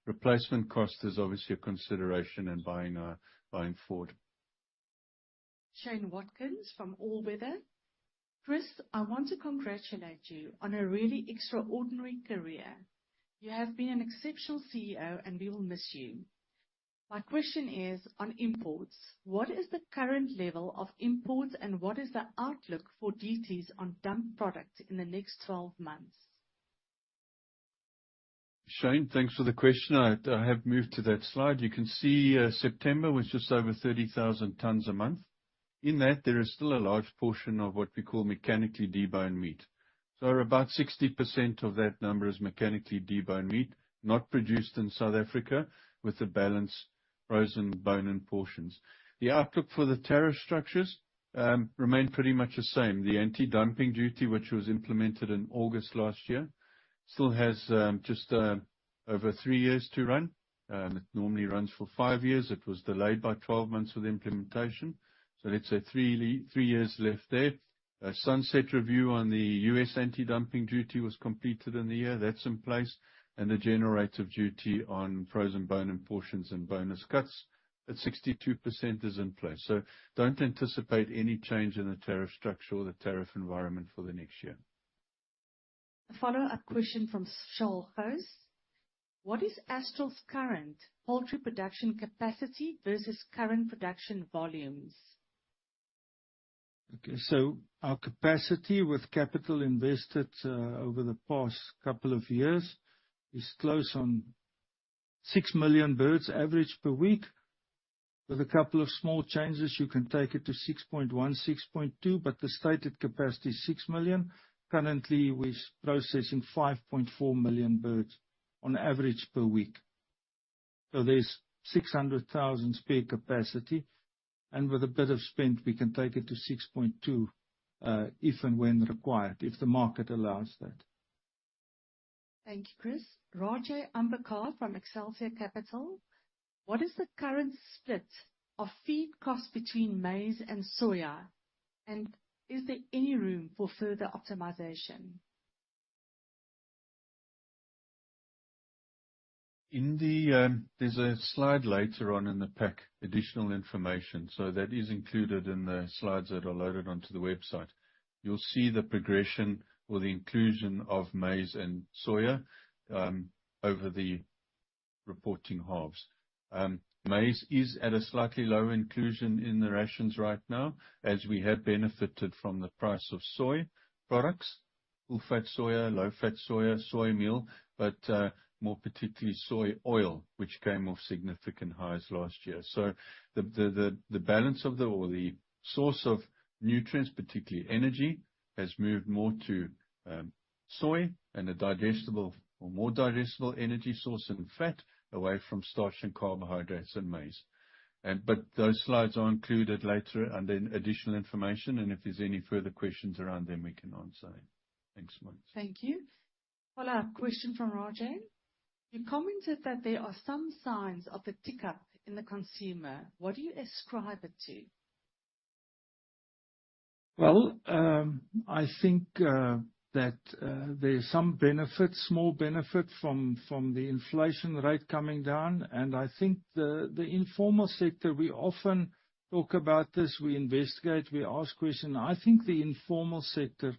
Replacement cost is obviously a consideration in buying forward. Shane Watkins from All Weather Capital. Chris, I want to congratulate you on a really extraordinary career. You have been an exceptional CEO, and we will miss you. My question is on imports. What is the current level of imports, and what is the outlook for duties on dumped products in the next 12 months? Shane, thanks for the question. I have moved to that slide. You can see September was just over 30,000 tons a month. In that, there is still a large portion of what we call mechanically deboned meat. So about 60% of that number is mechanically deboned meat, not produced in South Africa, with a balance frozen bone-in portions. The outlook for the tariff structures remained pretty much the same. The anti-dumping duty, which was implemented in August last year, still has just over three years to run. It normally runs for five years. It was delayed by 12 months with implementation. So let's say three years left there. A sunset review on the U.S. anti-dumping duty was completed in the year. That's in place. And the countervailing duty on frozen bone-in portions and boneless cuts at 62% is in place. So don't anticipate any change in the tariff structure or the tariff environment for the next year. A follow-up question from Sean Hose. What is Astral's current poultry production capacity versus current production volumes? Okay. So our capacity with capital invested over the past couple of years is close on 6 million birds average per week. With a couple of small changes, you can take it to 6.1, 6.2, but the stated capacity is 6 million. Currently, we're processing 5.4 million birds on average per week. So there's 600,000 spare capacity. And with a bit of spend, we can take it to 6.2 if and when required, if the market allows that. Thank you, Chris. Rajay Ambekar from Excelsior Capital. What is the current split of feed costs between maize and soya? And is there any room for further optimization? There's a slide later on in the pack, additional information. So that is included in the slides that are loaded onto the website. You'll see the progression or the inclusion of maize and soya over the reporting halves. Maize is at a slightly lower inclusion in the rations right now, as we have benefited from the price of soy products, full-fat soya, low-fat soya, soy meal, but more particularly soy oil, which came off significant highs last year. So the balance of the or the source of nutrients, particularly energy, has moved more to soy and a digestible or more digestible energy source and fat away from starch and carbohydrates and maize. But those slides are included later and then additional information, and if there's any further questions around them, we can answer them. Thanks, Marlise. Thank you. Follow-up question from Rajay. You commented that there are some signs of a tick up in the consumer. What do you ascribe it to? I think that there are some benefits, small benefits from the inflation rate coming down. I think the informal sector, we often talk about this. We investigate. We ask questions. I think the informal sector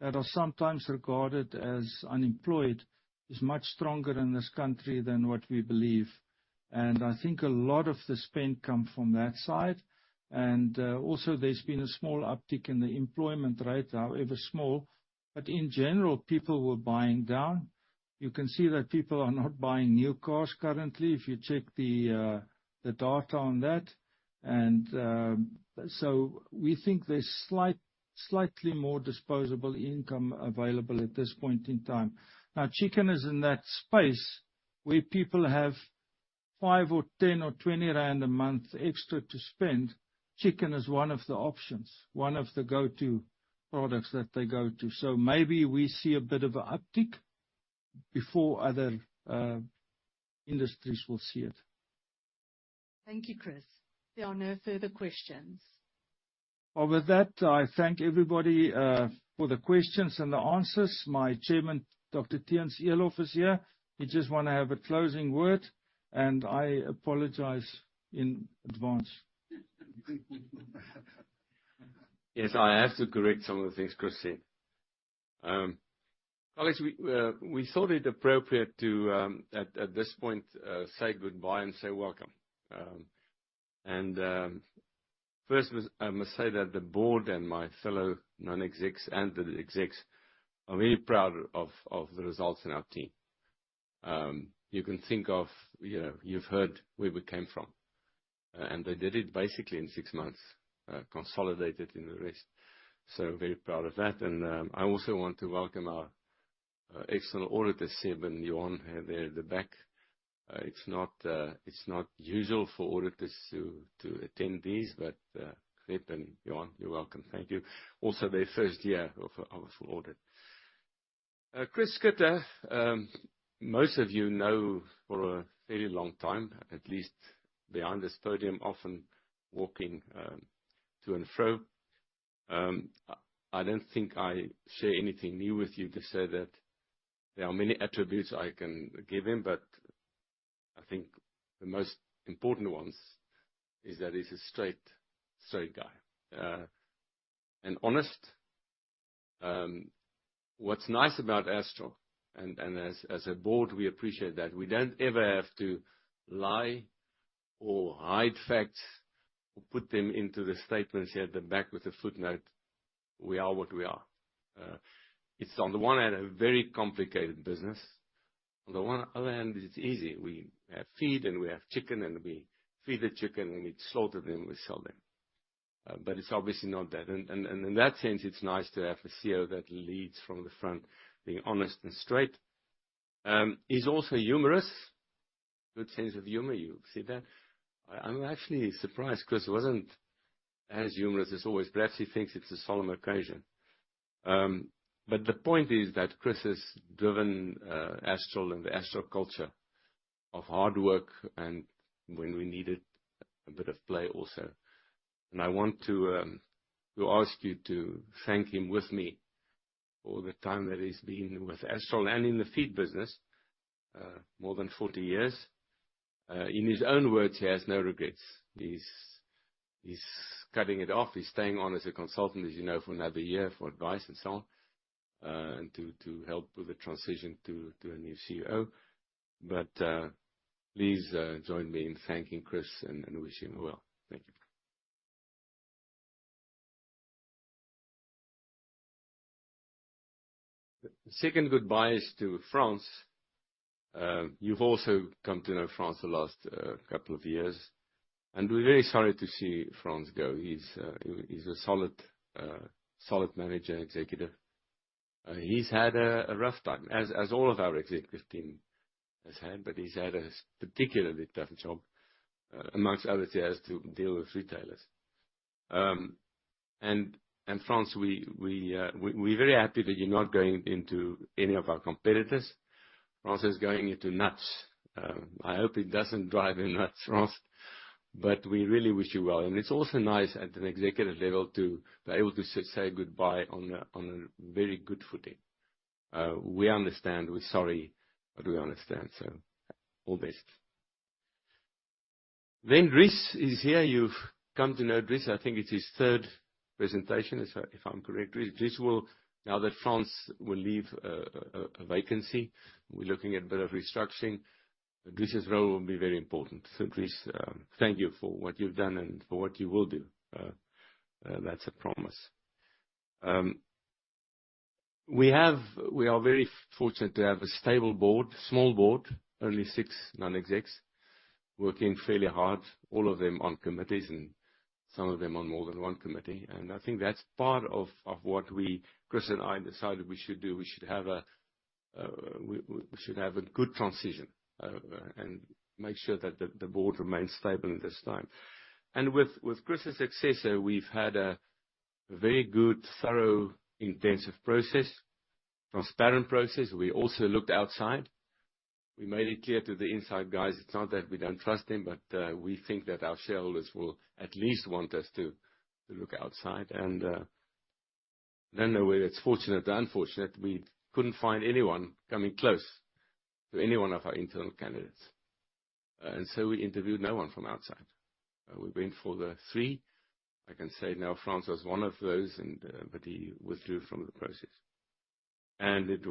that are sometimes regarded as unemployed is much stronger in this country than what we believe. I think a lot of the spend comes from that side. Also, there's been a small uptick in the employment rate, however small. In general, people were buying down. You can see that people are not buying new cars currently if you check the data on that. We think there's slightly more disposable income available at this point in time. Now, chicken is in that space where people have 5 or 10 or 20 a month extra to spend. Chicken is one of the options, one of the go-to products that they go to. So maybe we see a bit of an uptick before other industries will see it. Thank you, Chris. There are no further questions. With that, I thank everybody for the questions and the answers. My Chairman, Dr. Theunis Eloff, is here. He just wanted to have a closing word. I apologize in advance. Yes, I have to correct some of the things Chris said. Colleagues, we thought it appropriate to, at this point, say goodbye and say welcome. And first, I must say that the board and my fellow non-execs and the execs are very proud of the results in our team. You can think of, you've heard where we came from. And they did it basically in six months, consolidated in the rest. So very proud of that. And I also want to welcome our excellent auditor, Seb and Yvonne; they're in the back. It's not usual for auditors to attend these, but Seb and Yvonne, you're welcome. Thank you. Also, their first year of a full audit. Chris Schutte, most of you know for a very long time, at least behind this podium, often walking to and fro. I don't think I share anything new with you to say that there are many attributes I can give him, but I think the most important one is that he's a straight guy. And honest. What's nice about Astral, and as a board, we appreciate that. We don't ever have to lie or hide facts or put them into the statements here at the back with a footnote. We are what we are. It's, on the one hand, a very complicated business. On the other hand, it's easy. We have feed and we have chicken, and we feed the chicken, and we slaughter them and we sell them. But it's obviously not that. And in that sense, it's nice to have a CEO that leads from the front, being honest and straight. He's also humorous, good sense of humor. You see that? I'm actually surprised. Chris wasn't as humorous as always. Perhaps he thinks it's a solemn occasion. But the point is that Chris has driven Astral and the Astral culture of hard work and when we needed a bit of play also. And I want to ask you to thank him with me for the time that he's been with Astral and in the feed business, more than 40 years. In his own words, he has no regrets. He's cutting it off. He's staying on as a consultant, as you know, for another year for advice and so on, and to help with the transition to a new CEO. But please join me in thanking Chris and wishing him well. Thank you. Second goodbye is to Frans. You've also come to know Frans the last couple of years. And we're very sorry to see Frans go. He's a solid manager, executive. He's had a rough time, as all of our executive team has had, but he's had a particularly tough job, among others, he has to deal with retailers. Frans, we're very happy that you're not going into any of our competitors. Frans is going into nuts. I hope it doesn't drive you nuts, Frans. But we really wish you well. It's also nice at an executive level to be able to say goodbye on a very good footing. We understand. We're sorry, but we understand. All best. Ritesh is here. You've come to know Ritesh. I think it's his third presentation, if I'm correct. Now that Frans will leave a vacancy, we're looking at a bit of restructuring. Ritesh's role will be very important. Ritesh, thank you for what you've done and for what you will do. That's a promise. We are very fortunate to have a stable board, small board, only six non-execs, working fairly hard, all of them on committees and some of them on more than one committee. And I think that's part of what Chris and I decided we should do. We should have a good transition and make sure that the board remains stable in this time. And with Chris's successor, we've had a very good, thorough, intensive process, transparent process. We also looked outside. We made it clear to the inside guys, it's not that we don't trust them, but we think that our shareholders will at least want us to look outside. And I don't know whether it's fortunate or unfortunate, we couldn't find anyone coming close to any one of our internal candidates. And so we interviewed no one from outside. We went for the three. I can say now Frans was one of those, but he withdrew from the process. It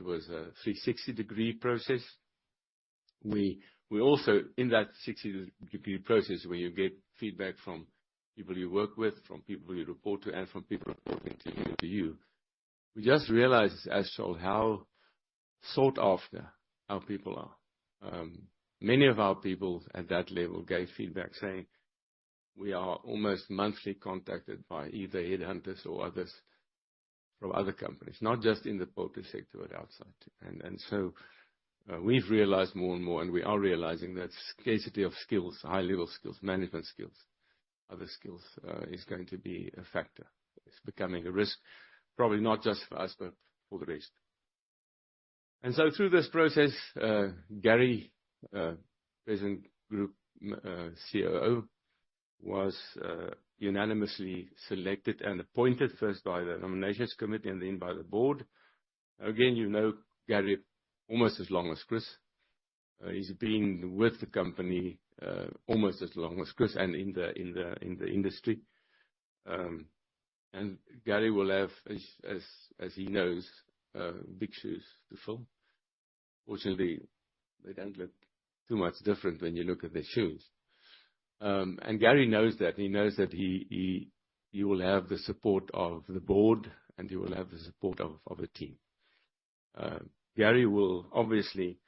was a 360-degree process. We also, in that 360-degree process, where you get feedback from people you work with, from people you report to, and from people reporting to you, we just realized as Astral how sought after our people are. Many of our people at that level gave feedback saying, "We are almost monthly contacted by either headhunters or others from other companies, not just in the poultry sector, but outside." We've realized more and more, and we are realizing that scarcity of skills, high-level skills, management skills, other skills is going to be a factor. It's becoming a risk, probably not just for us, but for the rest. Through this process, Gary, present Group COO, was unanimously selected and appointed first by the nominations committee and then by the board. Again, you know Gary almost as long as Chris. He's been with the company almost as long as Chris and in the industry. Gary will have, as he knows, big shoes to fill. Fortunately, they don't look too much different when you look at their shoes. Gary knows that. He knows that he will have the support of the board and he will have the support of a team. Gary will obviously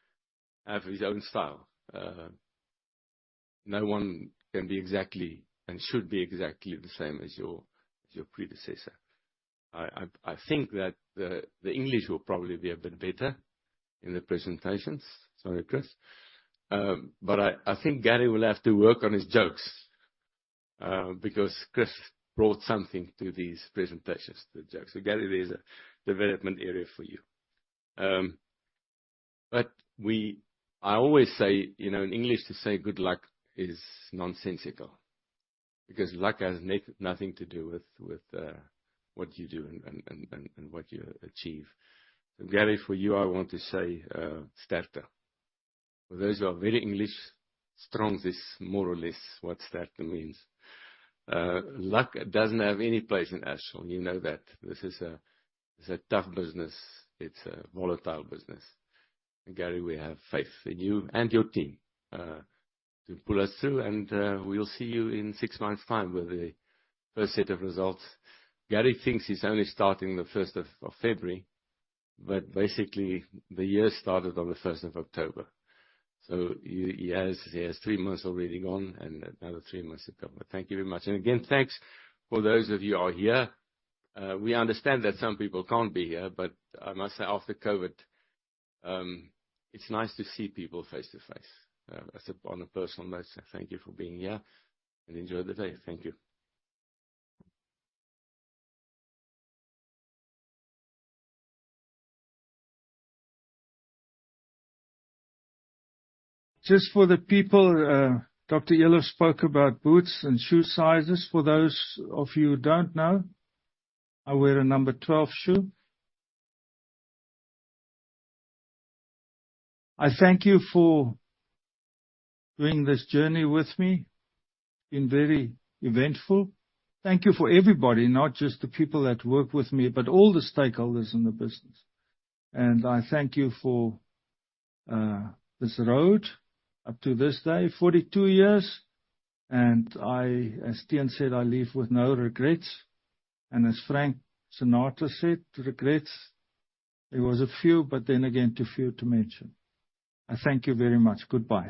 have his own style. No one can be exactly and should be exactly the same as your predecessor. I think that the English will probably be a bit better in the presentations. Sorry, Chris. I think Gary will have to work on his jokes because Chris brought something to these presentations, the jokes. So Gary, there's a development area for you. But I always say, in English, to say good luck is nonsensical because luck has nothing to do with what you do and what you achieve. So Gary, for you, I want to say sterkte. For those who are very English, strong is more or less what sterkte means. Luck doesn't have any place in Astral. You know that. This is a tough business. It's a volatile business. And Gary, we have faith in you and your team to pull us through. And we'll see you in six months' time with the first set of results. Gary thinks he's only starting the 1st of February, but basically, the year started on the 1st of October. So he has three months already gone and another three months to come. But thank you very much. And again, thanks for those of you who are here. We understand that some people can't be here, but I must say, after COVID, it's nice to see people face to face. On a personal note, thank you for being here and enjoy the day. Thank you. Just for the people, Dr. Eloff spoke about boots and shoe sizes. For those of you who don't know, I wear a number 12 shoe. I thank you for doing this journey with me. It's been very eventful. Thank you for everybody, not just the people that work with me, but all the stakeholders in the business. I thank you for this road up to this day, 42 years. As Theun said, I leave with no regrets. As Frank Sinatra said, regrets, there was a few, but then again, too few to mention. I thank you very much. Goodbye.